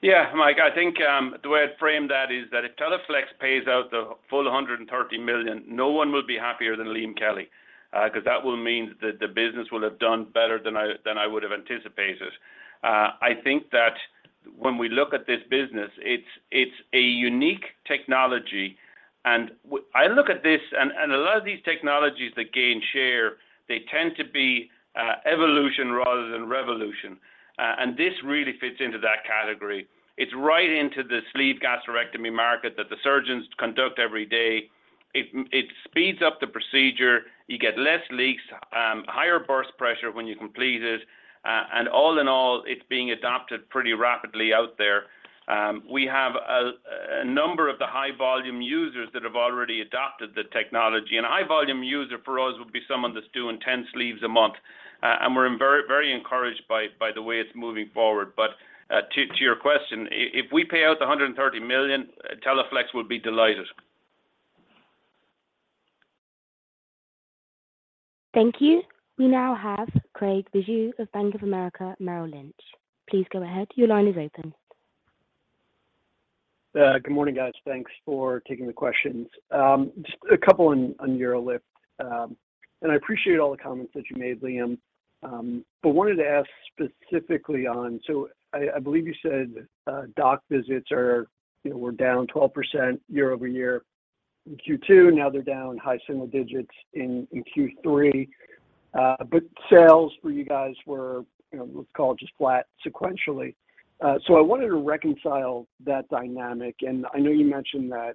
S3: Yeah. Mike, I think the way I'd frame that is that if Teleflex pays out the full $130 million, no one will be happier than Liam Kelly. 'Cause that will mean that the business will have done better than I would have anticipated. I think that when we look at this business, it's a unique technology. I look at this and a lot of these technologies that gain share, they tend to be evolution rather than revolution. This really fits into that category. It's right into the sleeve gastrectomy market that the surgeons conduct every day. It speeds up the procedure. You get less leaks, higher burst pressure when you complete it. All in all, it's being adopted pretty rapidly out there. We have a number of the high volume users that have already adopted the technology. A high volume user for us would be someone that's doing 10 sleeves a month. We're very encouraged by the way it's moving forward. To your question, if we pay out the $130 million, Teleflex will be delighted.
S1: Thank you. We now have Craig Bijou of Bank of America Merrill Lynch. Please go ahead. Your line is open.
S10: Good morning, guys. Thanks for taking the questions. Just a couple on UroLift. I appreciate all the comments that you made, Liam. But wanted to ask specifically. So I believe you said, doc visits are, you know, were down 12% year-over-year in Q2. Now they're down high single digits in Q3. But sales for you guys were, you know, let's call it just flat sequentially. So I wanted to reconcile that dynamic. I know you mentioned that,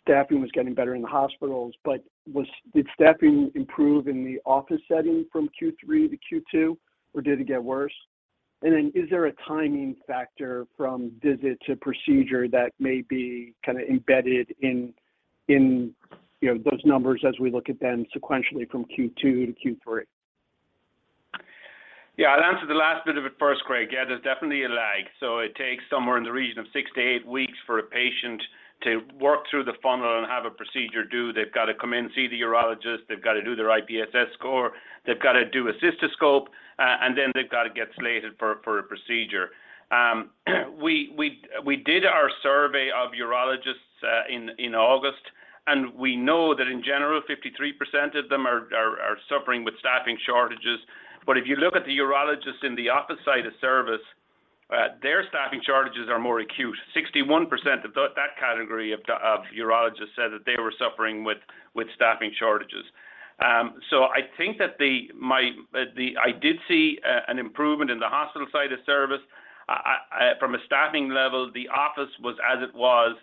S10: staffing was getting better in the hospitals, but did staffing improve in the office setting from Q3-Q2, or did it get worse? Is there a timing factor from visit to procedure that may be kind of embedded in, you know, those numbers as we look at them sequentially from Q2 to Q3?
S3: Yeah. I'll answer the last bit of it first, Craig. Yeah, there's definitely a lag. It takes somewhere in the region of six to eight weeks for a patient to work through the funnel and have a procedure due. They've got to come in, see the urologist. They've got to do their IPSS score. They've got to do a cystoscope, and then they've got to get slated for a procedure. We did our survey of urologists in August, and we know that in general, 53% of them are suffering with staffing shortages. If you look at the urologists in the office side of service, their staffing shortages are more acute. 61% of that category of urologists said that they were suffering with staffing shortages. I think that I did see an improvement in the hospital side of service. From a staffing level, the office was as it was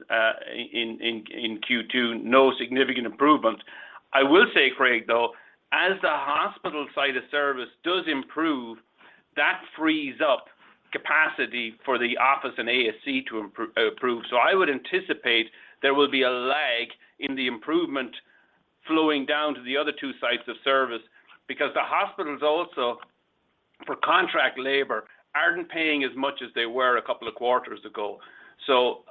S3: in Q2, no significant improvements. I will say, Craig, though, as the hospital side of service does improve, that frees up capacity for the office and ASC to improve. I would anticipate there will be a lag in the improvement flowing down to the other two sites of service because the hospitals also, for contract labor, aren't paying as much as they were a couple of quarters ago.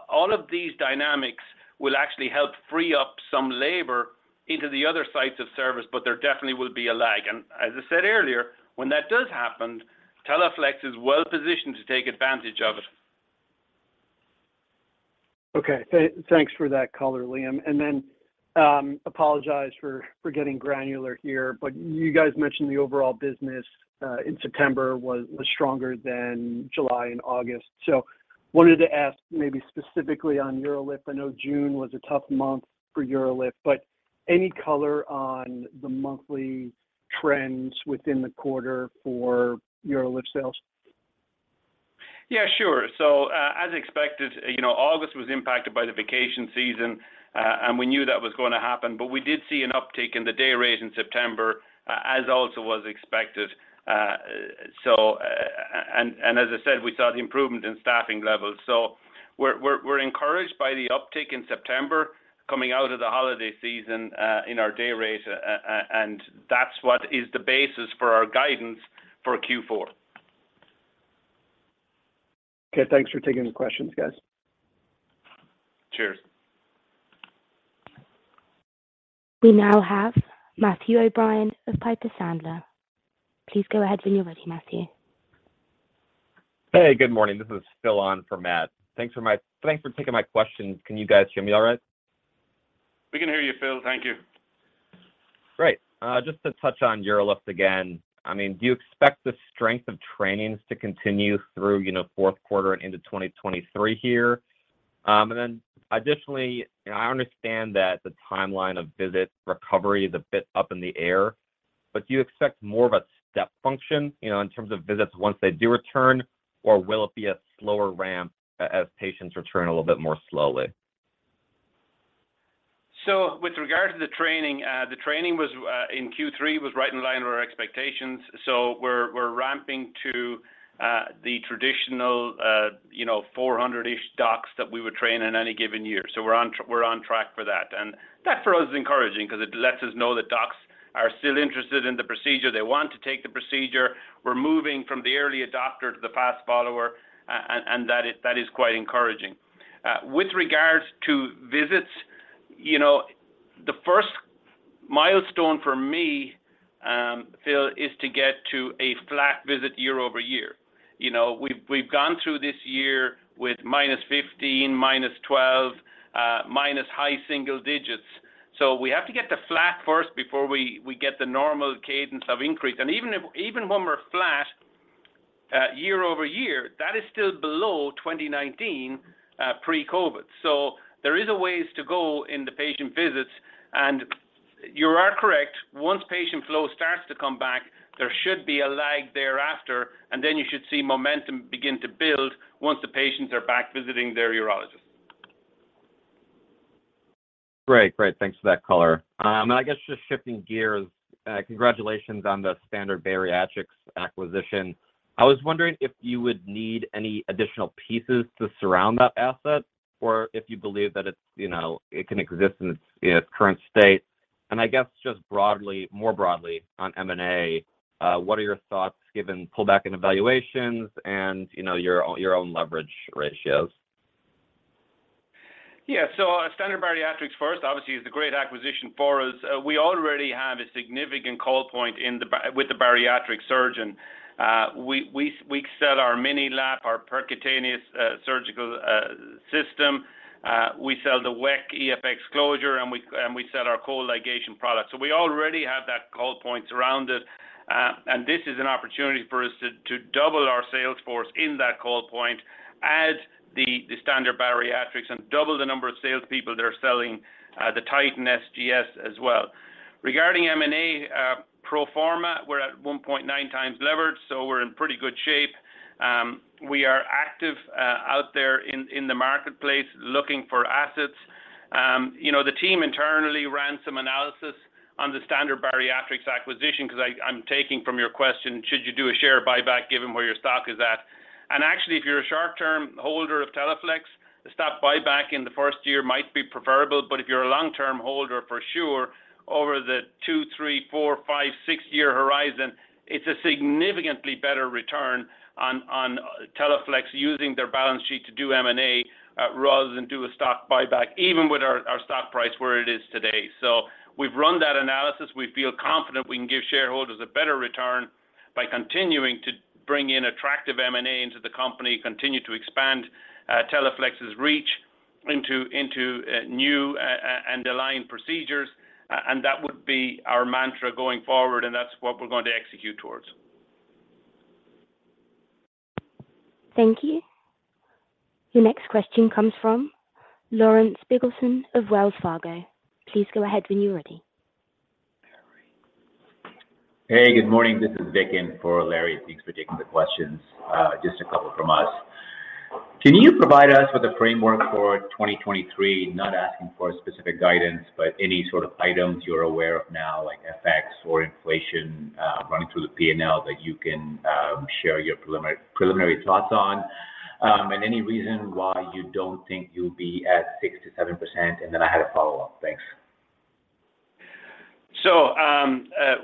S3: All of these dynamics will actually help free up some labor into the other sites of service, but there definitely will be a lag. As I said earlier, when that does happen, Teleflex is well positioned to take advantage of it.
S10: Okay. Thanks for that color, Liam. Apologize for getting granular here, but you guys mentioned the overall business in September was stronger than July and August. Wanted to ask maybe specifically on UroLift. I know June was a tough month for UroLift, but any color on the monthly trends within the quarter for UroLift sales?
S3: Yeah, sure. As expected, you know, August was impacted by the vacation season, and we knew that was gonna happen. We did see an uptick in the day rate in September, as also was expected. And as I said, we saw the improvement in staffing levels. We're encouraged by the uptick in September coming out of the holiday season, in our day rate. That's what is the basis for our guidance for Q4.
S10: Okay. Thanks for taking the questions, guys.
S3: Cheers.
S1: We now have Matthew O'Brien of Piper Sandler. Please go ahead when you're ready, Matthew.
S11: Hey, good morning. This is Phil on for Matt. Thanks for taking my questions. Can you guys hear me all right?
S3: We can hear you, Phil. Thank you.
S11: Great. Just to touch on UroLift again. I mean, do you expect the strength of trainings to continue through, you know, fourth quarter and into 2023 here? Additionally, you know, I understand that the timeline of visit recovery is a bit up in the air. Do you expect more of a step function, you know, in terms of visits once they do return or will it be a slower ramp as patients return a little bit more slowly?
S3: With regard to the training, the training was in Q3 right in line with our expectations. We're ramping to the traditional, you know, 400-ish docs that we would train in any given year. We're on track for that. That for us is encouraging 'cause it lets us know that docs are still interested in the procedure. They want to take the procedure. We're moving from the early adopter to the fast follower and that is quite encouraging. With regards to visits, you know, the first milestone for me, Phil, is to get to a flat visit year-over-year. You know, we've gone through this year with -15%, -12%, minus high single digits. We have to get to flat first before we get the normal cadence of increase. Even when we're flat year over year, that is still below 2019 pre-COVID. There is a ways to go in the patient visits. You are correct. Once patient flow starts to come back, there should be a lag thereafter, and then you should see momentum begin to build once the patients are back visiting their urologist.
S11: Great. Thanks for that color. I guess just shifting gears, congratulations on the Standard Bariatrics acquisition. I was wondering if you would need any additional pieces to surround that asset or if you believe that it's, you know, it can exist in its current state. I guess just broadly on M&A, what are your thoughts given pullback in valuations and, you know, your own leverage ratios?
S3: Standard Bariatrics first, obviously is a great acquisition for us. We already have a significant call point with the bariatric surgeon. We sell our MiniLap, our percutaneous surgical system. We sell the Weck EFx Closure, and we sell our cool ligation product. We already have that call point surrounded. This is an opportunity for us to double our sales force in that call point as the Standard Bariatrics and double the number of sales people that are selling the Titan SGS as well. Regarding M&A, pro forma, we're at 1.9x levered, so we're in pretty good shape. We are active out there in the marketplace looking for assets. You know, the team internally ran some analysis on the Standard Bariatrics acquisition 'cause I'm taking from your question, should you do a share buyback given where your stock is at? Actually, if you're a short-term holder of Teleflex, the stock buyback in the first year might be preferable. If you're a long-term holder, for sure, over the two, three, four, five, six year horizon, it's a significantly better return on Teleflex using their balance sheet to do M&A, rather than do a stock buyback, even with our stock price where it is today. We've run that analysis. We feel confident we can give shareholders a better return by continuing to bring in attractive M&A into the company, continue to expand Teleflex's reach into new and aligned procedures. That would be our mantra going forward, and that's what we're going to execute towards.
S1: Thank you. Your next question comes from Lawrence Biegelsen of Wells Fargo. Please go ahead when you're ready.
S12: Hey, good morning. This is Vicken for Larry. Thanks for taking the questions. Just a couple from us. Can you provide us with a framework for 2023? Not asking for specific guidance, but any sort of items you're aware of now, like FX or inflation, running through the P&L that you can share your preliminary thoughts on, and any reason why you don't think you'll be at 6%-7%. I had a follow-up. Thanks.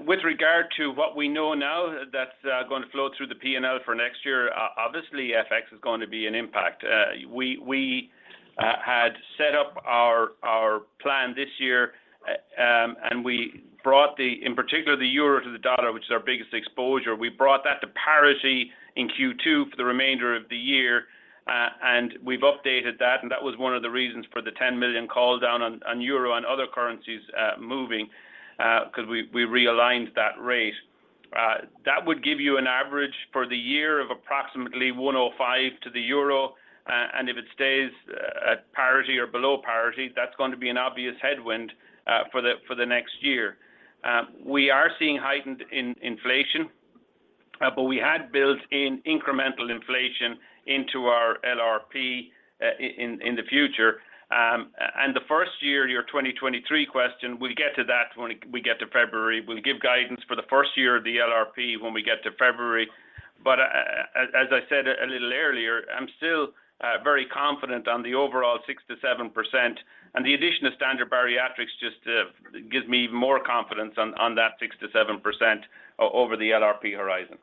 S3: With regard to what we know now that's going to flow through the P&L for next year, obviously, FX is going to be an impact. We had set up our plan this year, and we brought the euro to the dollar in particular, which is our biggest exposure. We brought that to parity in Q2 for the remainder of the year, and we've updated that, and that was one of the reasons for the $10 million call down on euro and other currencies moving, 'cause we realigned that rate. That would give you an average for the year of approximately 1.05 to the euro. If it stays at parity or below parity, that's going to be an obvious headwind for the next year. We are seeing heightened inflation, but we had built in incremental inflation into our LRP in the future. The first year, your 2023 question, we'll get to that when we get to February. We'll give guidance for the first year of the LRP when we get to February. As I said a little earlier, I'm still very confident on the overall 6%-7%. The addition of Standard Bariatrics just gives me more confidence on that 6%-7% over the LRP horizon.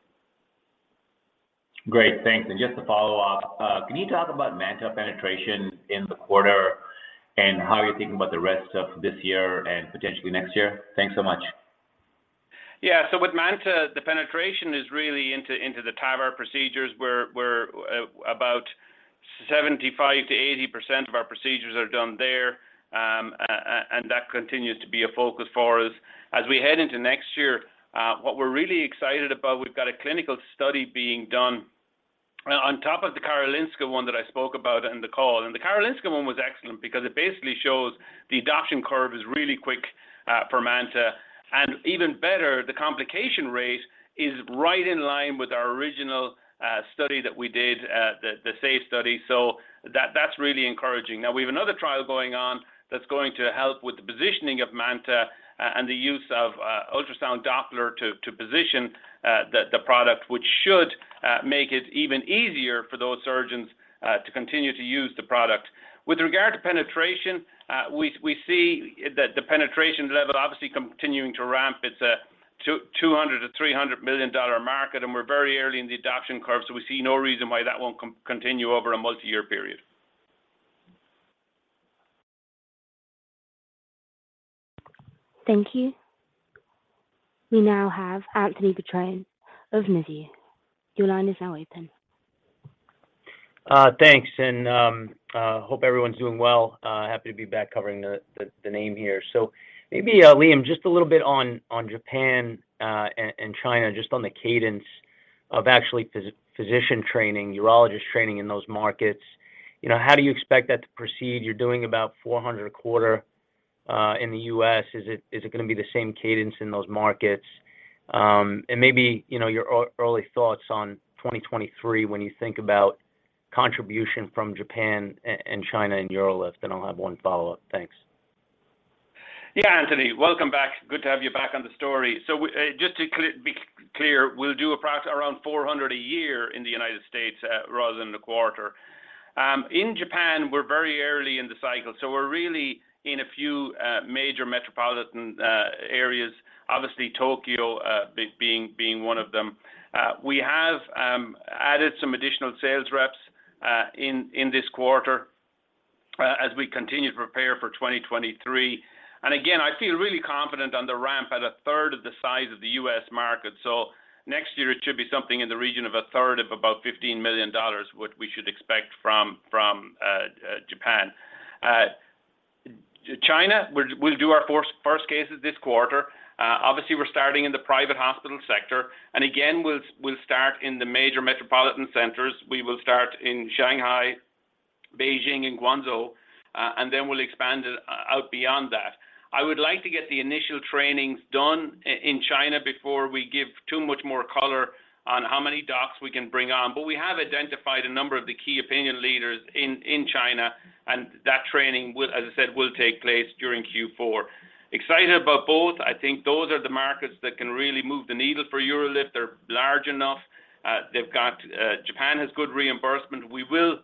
S12: Great. Thanks. Just to follow up, can you talk about MANTA penetration in the quarter and how you're thinking about the rest of this year and potentially next year? Thanks so much.
S3: Yeah. With MANTA, the penetration is really into the TAVR procedures. We're about 75%-80% of our procedures are done there, and that continues to be a focus for us. As we head into next year, what we're really excited about, we've got a clinical study being done on top of the Karolinska one that I spoke about in the call, and the Karolinska one was excellent because it basically shows the adoption curve is really quick for MANTA. Even better, the complication rate is right in line with our original study that we did at the SAFE study. That's really encouraging. Now we have another trial going on that's going to help with the positioning of MANTA and the use of ultrasound Doppler to position the product, which should make it even easier for those surgeons to continue to use the product. With regard to penetration, we see that the penetration level obviously continuing to ramp. It's a $200-$300 million market, and we're very early in the adoption curve, so we see no reason why that won't continue over a multiyear period.
S1: Thank you. We now have Anthony Petrone of Mizuho. Your line is now open.
S13: Thanks. Hope everyone's doing well. Happy to be back covering the name here. Maybe, Liam, just a little bit on Japan and China, just on the cadence of actually physician training, urologist training in those markets. You know, how do you expect that to proceed? You're doing about 400 a quarter in the U.S. Is it gonna be the same cadence in those markets? Maybe, you know, your early thoughts on 2023 when you think about contribution from Japan and China in UroLift. I'll have one follow-up. Thanks.
S3: Yeah, Anthony. Welcome back. Good to have you back on the story. Just to be clear, we'll do around 400 a year in the United States, rather than the quarter. In Japan, we're very early in the cycle, so we're really in a few major metropolitan areas, obviously Tokyo, being one of them. We have added some additional sales reps in this quarter as we continue to prepare for 2023. Again, I feel really confident on the ramp at a third of the size of the U.S. market. Next year it should be something in the region of a third of about $15 million, what we should expect from Japan. China, we'll do our first cases this quarter. Obviously we're starting in the private hospital sector. Again, we'll start in the major metropolitan centers. We will start in Shanghai, Beijing, and Guangzhou, and then we'll expand it out beyond that. I would like to get the initial trainings done in China before we give too much more color on how many docs we can bring on. We have identified a number of the key opinion leaders in China, and that training will, as I said, take place during Q4. Excited about both. I think those are the markets that can really move the needle for UroLift. They're large enough. Japan has good reimbursement. We will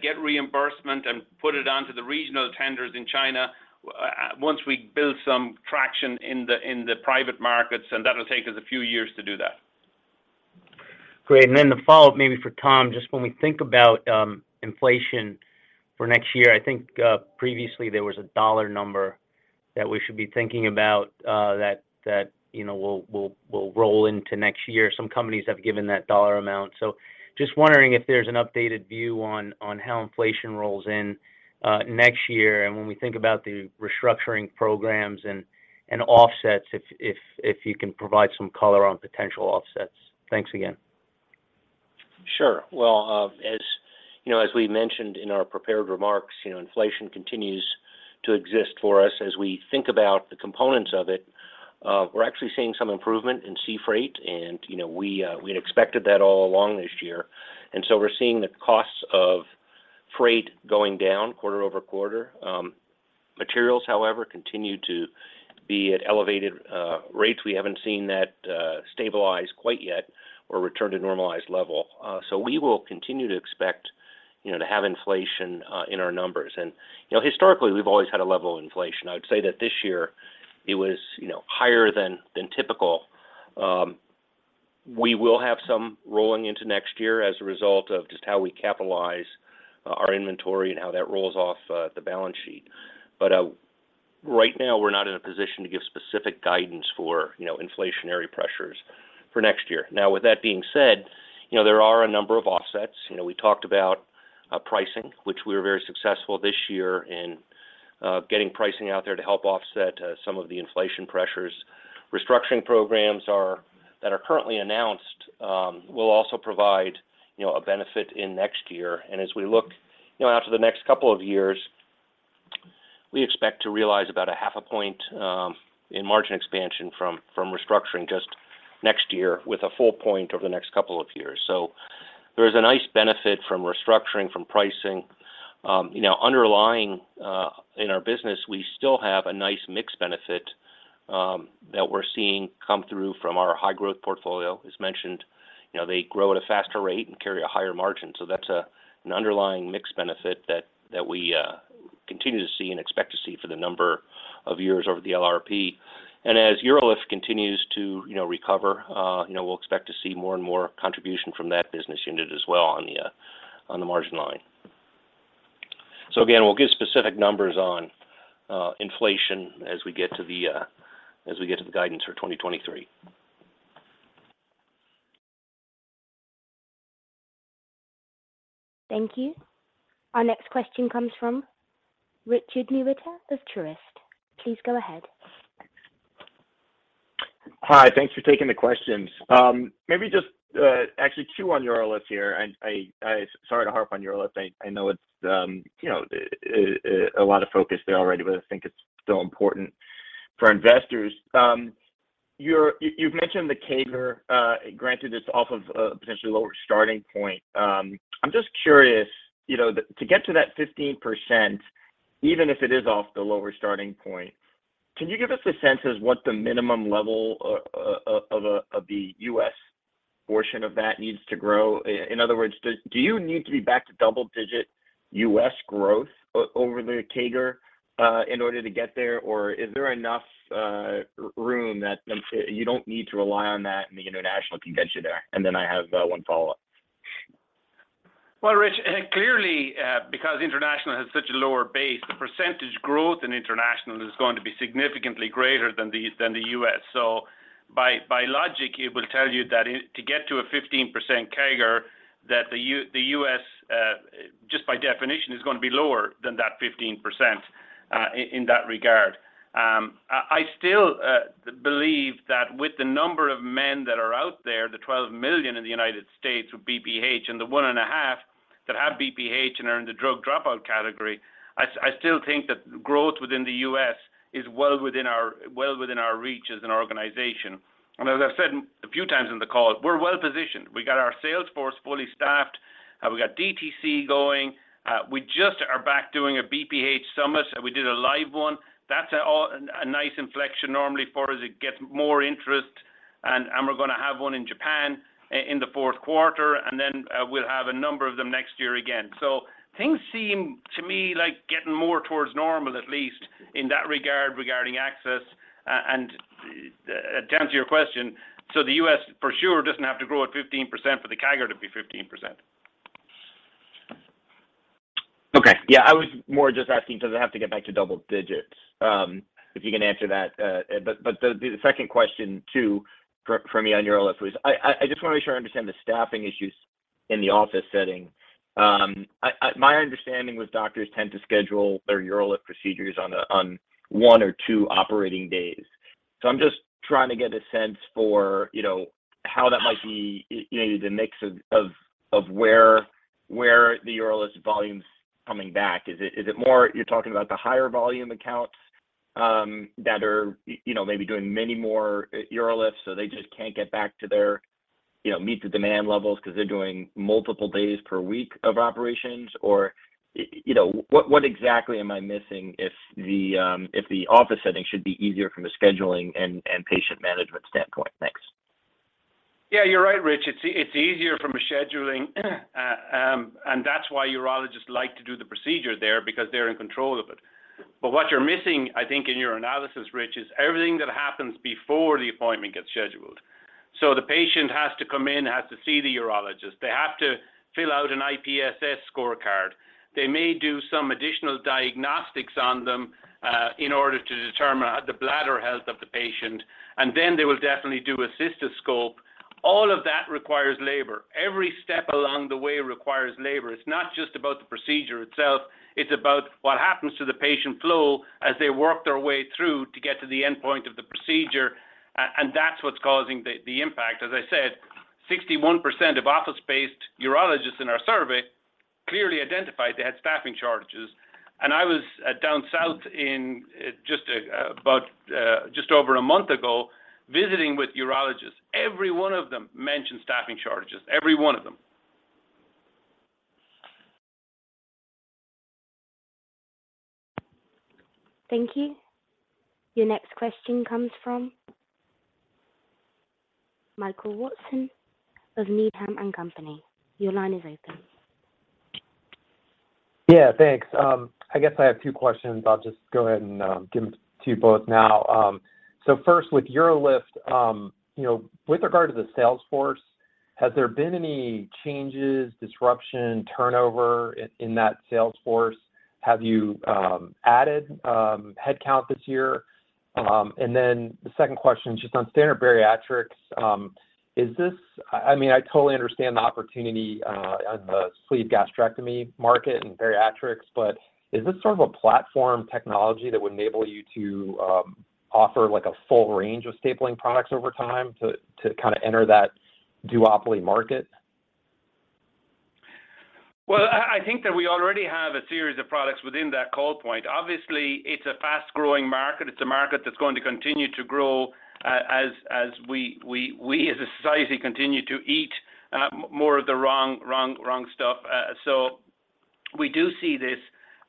S3: get reimbursement and put it onto the regional tenders in China once we build some traction in the private markets, and that'll take us a few years to do that.
S13: Great. The follow-up maybe for Tom, just when we think about inflation for next year, I think previously there was a dollar number that we should be thinking about that you know will roll into next year. Some companies have given that dollar amount. Just wondering if there's an updated view on how inflation rolls in next year. When we think about the restructuring programs and offsets, if you can provide some color on potential offsets. Thanks again.
S4: Sure. Well, you know, as we mentioned in our prepared remarks, you know, inflation continues to exist for us. As we think about the components of it, we're actually seeing some improvement in sea freight and we had expected that all along this year. We're seeing the costs of freight going down quarter over quarter. Materials, however, continue to be at elevated rates. We haven't seen that stabilize quite yet or return to normalized level. We will continue to expect to have inflation in our numbers. Historically, we've always had a level of inflation. I would say that this year it was higher than typical. We will have some rolling into next year as a result of just how we capitalize our inventory and how that rolls off the balance sheet. Right now, we're not in a position to give specific guidance for, you know, inflationary pressures for next year. Now, with that being said, you know, there are a number of offsets. You know, we talked about pricing, which we were very successful this year in getting pricing out there to help offset some of the inflation pressures. Restructuring programs that are currently announced will also provide, you know, a benefit in next year. As we look, you know, out to the next couple of years, we expect to realize about a half a point in margin expansion from restructuring just next year with a full point over the next couple of years. There is a nice benefit from restructuring, from pricing. You know, underlying in our business, we still have a nice mix benefit that we're seeing come through from our high-growth portfolio. As mentioned, you know, they grow at a faster rate and carry a higher margin. That's an underlying mix benefit that we continue to see and expect to see for the number of years over the LRP. As UroLift continues to, you know, recover, you know, we'll expect to see more and more contribution from that business unit as well on the margin line. Again, we'll give specific numbers on inflation as we get to the guidance for 2023.
S1: Thank you. Our next question comes from Richard Newitter of Truist. Please go ahead.
S14: Hi, thanks for taking the questions. Maybe just, actually two on UroLift here. I'm sorry to harp on UroLift. I know it's, you know, a lot of focus there already, but I think it's still important for investors. You've mentioned the CAGR, granted it's off of a potentially lower starting point. I'm just curious, you know, to get to that 15%, even if it is off the lower starting point, can you give us a sense of what the minimum level of the U.S. portion of that needs to grow? In other words, do you need to be back to double-digit U.S. growth over the CAGR, in order to get there? Is there enough room that then you don't need to rely on that and the international can get you there? I have one follow-up.
S3: Well, Rich, clearly, because international has such a lower base, the percentage growth in international is going to be significantly greater than the U.S. By logic, it will tell you that to get to a 15% CAGR that the U.S. just by definition is gonna be lower than that 15%, in that regard. I still believe that with the number of men that are out there, the 12 million in the United States with BPH and the 1.5 that have BPH and are in the drug dropout category, I still think that growth within the U.S. is well within our reach as an organization. As I've said a few times in the call, we're well-positioned. We got our sales force fully staffed. We got DTC going. We just are back doing a BPH summit. We did a live one. That's a nice inflection normally for us. It gets more interest, and we're gonna have one in Japan in the fourth quarter. Then we'll have a number of them next year again. Things seem to me like getting more towards normal at least in that regard regarding access. To answer your question, the U.S. for sure doesn't have to grow at 15% for the CAGR to be 15%.
S14: Okay. Yeah, I was more just asking does it have to get back to double digits? If you can answer that. But the second question too for me on UroLift was I just wanna make sure I understand the staffing issues in the office setting. My understanding was doctors tend to schedule their UroLift procedures on one or two operating days. So I'm just trying to get a sense for, you know, how that might be, you know, the mix of where the UroLift volume's coming back. Is it more you're talking about the higher volume accounts that are, you know, maybe doing many more UroLifts, so they just can't get back to their, you know, meet the demand levels 'cause they're doing multiple days per week of operations? You know, what exactly am I missing if the office setting should be easier from a scheduling and patient management standpoint? Thanks.
S3: Yeah, you're right, Rich. It's easier from a scheduling, and that's why urologists like to do the procedure there because they're in control of it. But what you're missing, I think, in your analysis, Rich, is everything that happens before the appointment gets scheduled. The patient has to come in, has to see the urologist. They have to fill out an IPSS scorecard. They may do some additional diagnostics on them, in order to determine the bladder health of the patient, and then they will definitely do a cystoscope. All of that requires labor. Every step along the way requires labor. It's not just about the procedure itself, it's about what happens to the patient flow as they work their way through to get to the endpoint of the procedure. That's what's causing the impact. As I said, 61% of office-based urologists in our survey clearly identified they had staffing shortages. I was down south just over a month ago, visiting with urologists. Every one of them mentioned staffing shortages. Every one of them.
S1: Thank you. Your next question comes from Michael Matson of Needham & Company. Your line is open.
S15: Yeah, thanks. I guess I have two questions. I'll just go ahead and give them to you both now. First with UroLift, you know, with regard to the sales force, has there been any changes, disruption, turnover in that sales force? Have you added headcount this year? The second question is just on Standard Bariatrics. Is this, I mean, I totally understand the opportunity on the sleeve gastrectomy market in bariatrics, but is this sort of a platform technology that would enable you to offer like a full range of stapling products over time to kinda enter that duopoly market?
S3: I think that we already have a series of products within that call point. Obviously, it's a fast-growing market. It's a market that's going to continue to grow as we as a society continue to eat more of the wrong stuff. We do see this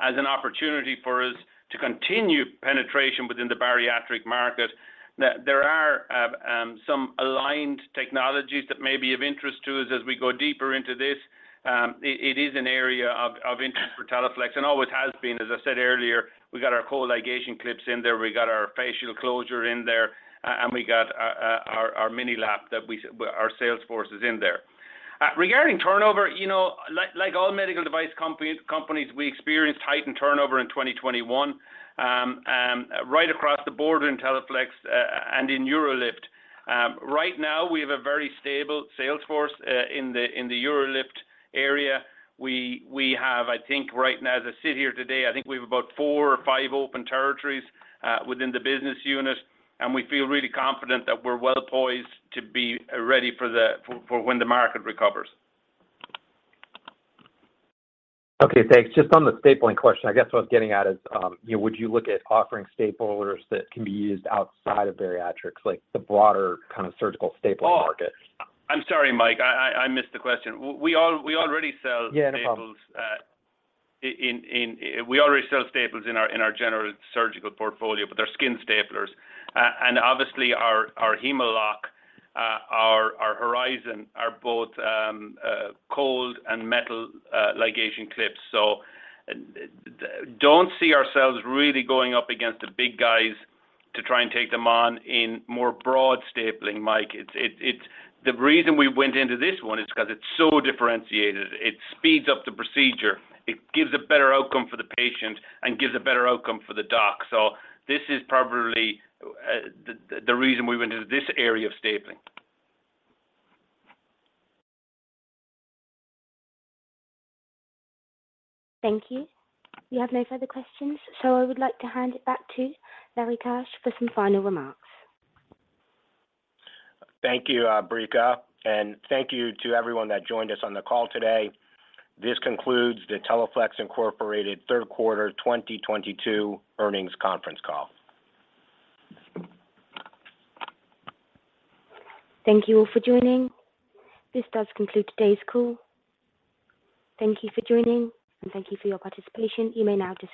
S3: as an opportunity for us to continue penetration within the bariatric market. There are some aligned technologies that may be of interest to us as we go deeper into this. It is an area of interest for Teleflex and always has been. As I said earlier, we got our cool ligation clips in there, we got our fascial closure in there, and we got our MiniLap that our sales force is in there. Regarding turnover, you know, like all medical device companies, we experienced heightened turnover in 2021 right across the board in Teleflex and in UroLift. Right now we have a very stable sales force in the UroLift area. We have, I think right now as I sit here today, I think we have about four or five open territories within the business unit, and we feel really confident that we're well poised to be ready for when the market recovers.
S15: Okay, thanks. Just on the stapling question, I guess what I was getting at is, you know, would you look at offering staplers that can be used outside of bariatrics, like the broader kind of surgical stapling market?
S3: Oh, I'm sorry, Mike, I missed the question. We already sell-
S15: Yeah, no problem.
S3: We already sell staples in our general surgical portfolio, but they're skin staplers. Obviously our Hem-o-Lok, our Horizon are both cold and metal ligation clips. Don't see ourselves really going up against the big guys to try and take them on in more broad stapling, Mike. It's the reason we went into this one is 'cause it's so differentiated. It speeds up the procedure. It gives a better outcome for the patient and gives a better outcome for the doc. This is probably the reason we went into this area of stapling.
S1: Thank you. We have no further questions, so I would like to hand it back to Lawrence Keusch for some final remarks.
S2: Thank you, operator, and thank you to everyone that joined us on the call today. This concludes the Teleflex Incorporated third quarter 2022 earnings conference call.
S1: Thank you all for joining. This does conclude today's call. Thank you for joining, and thank you for your participation. You may now disconnect.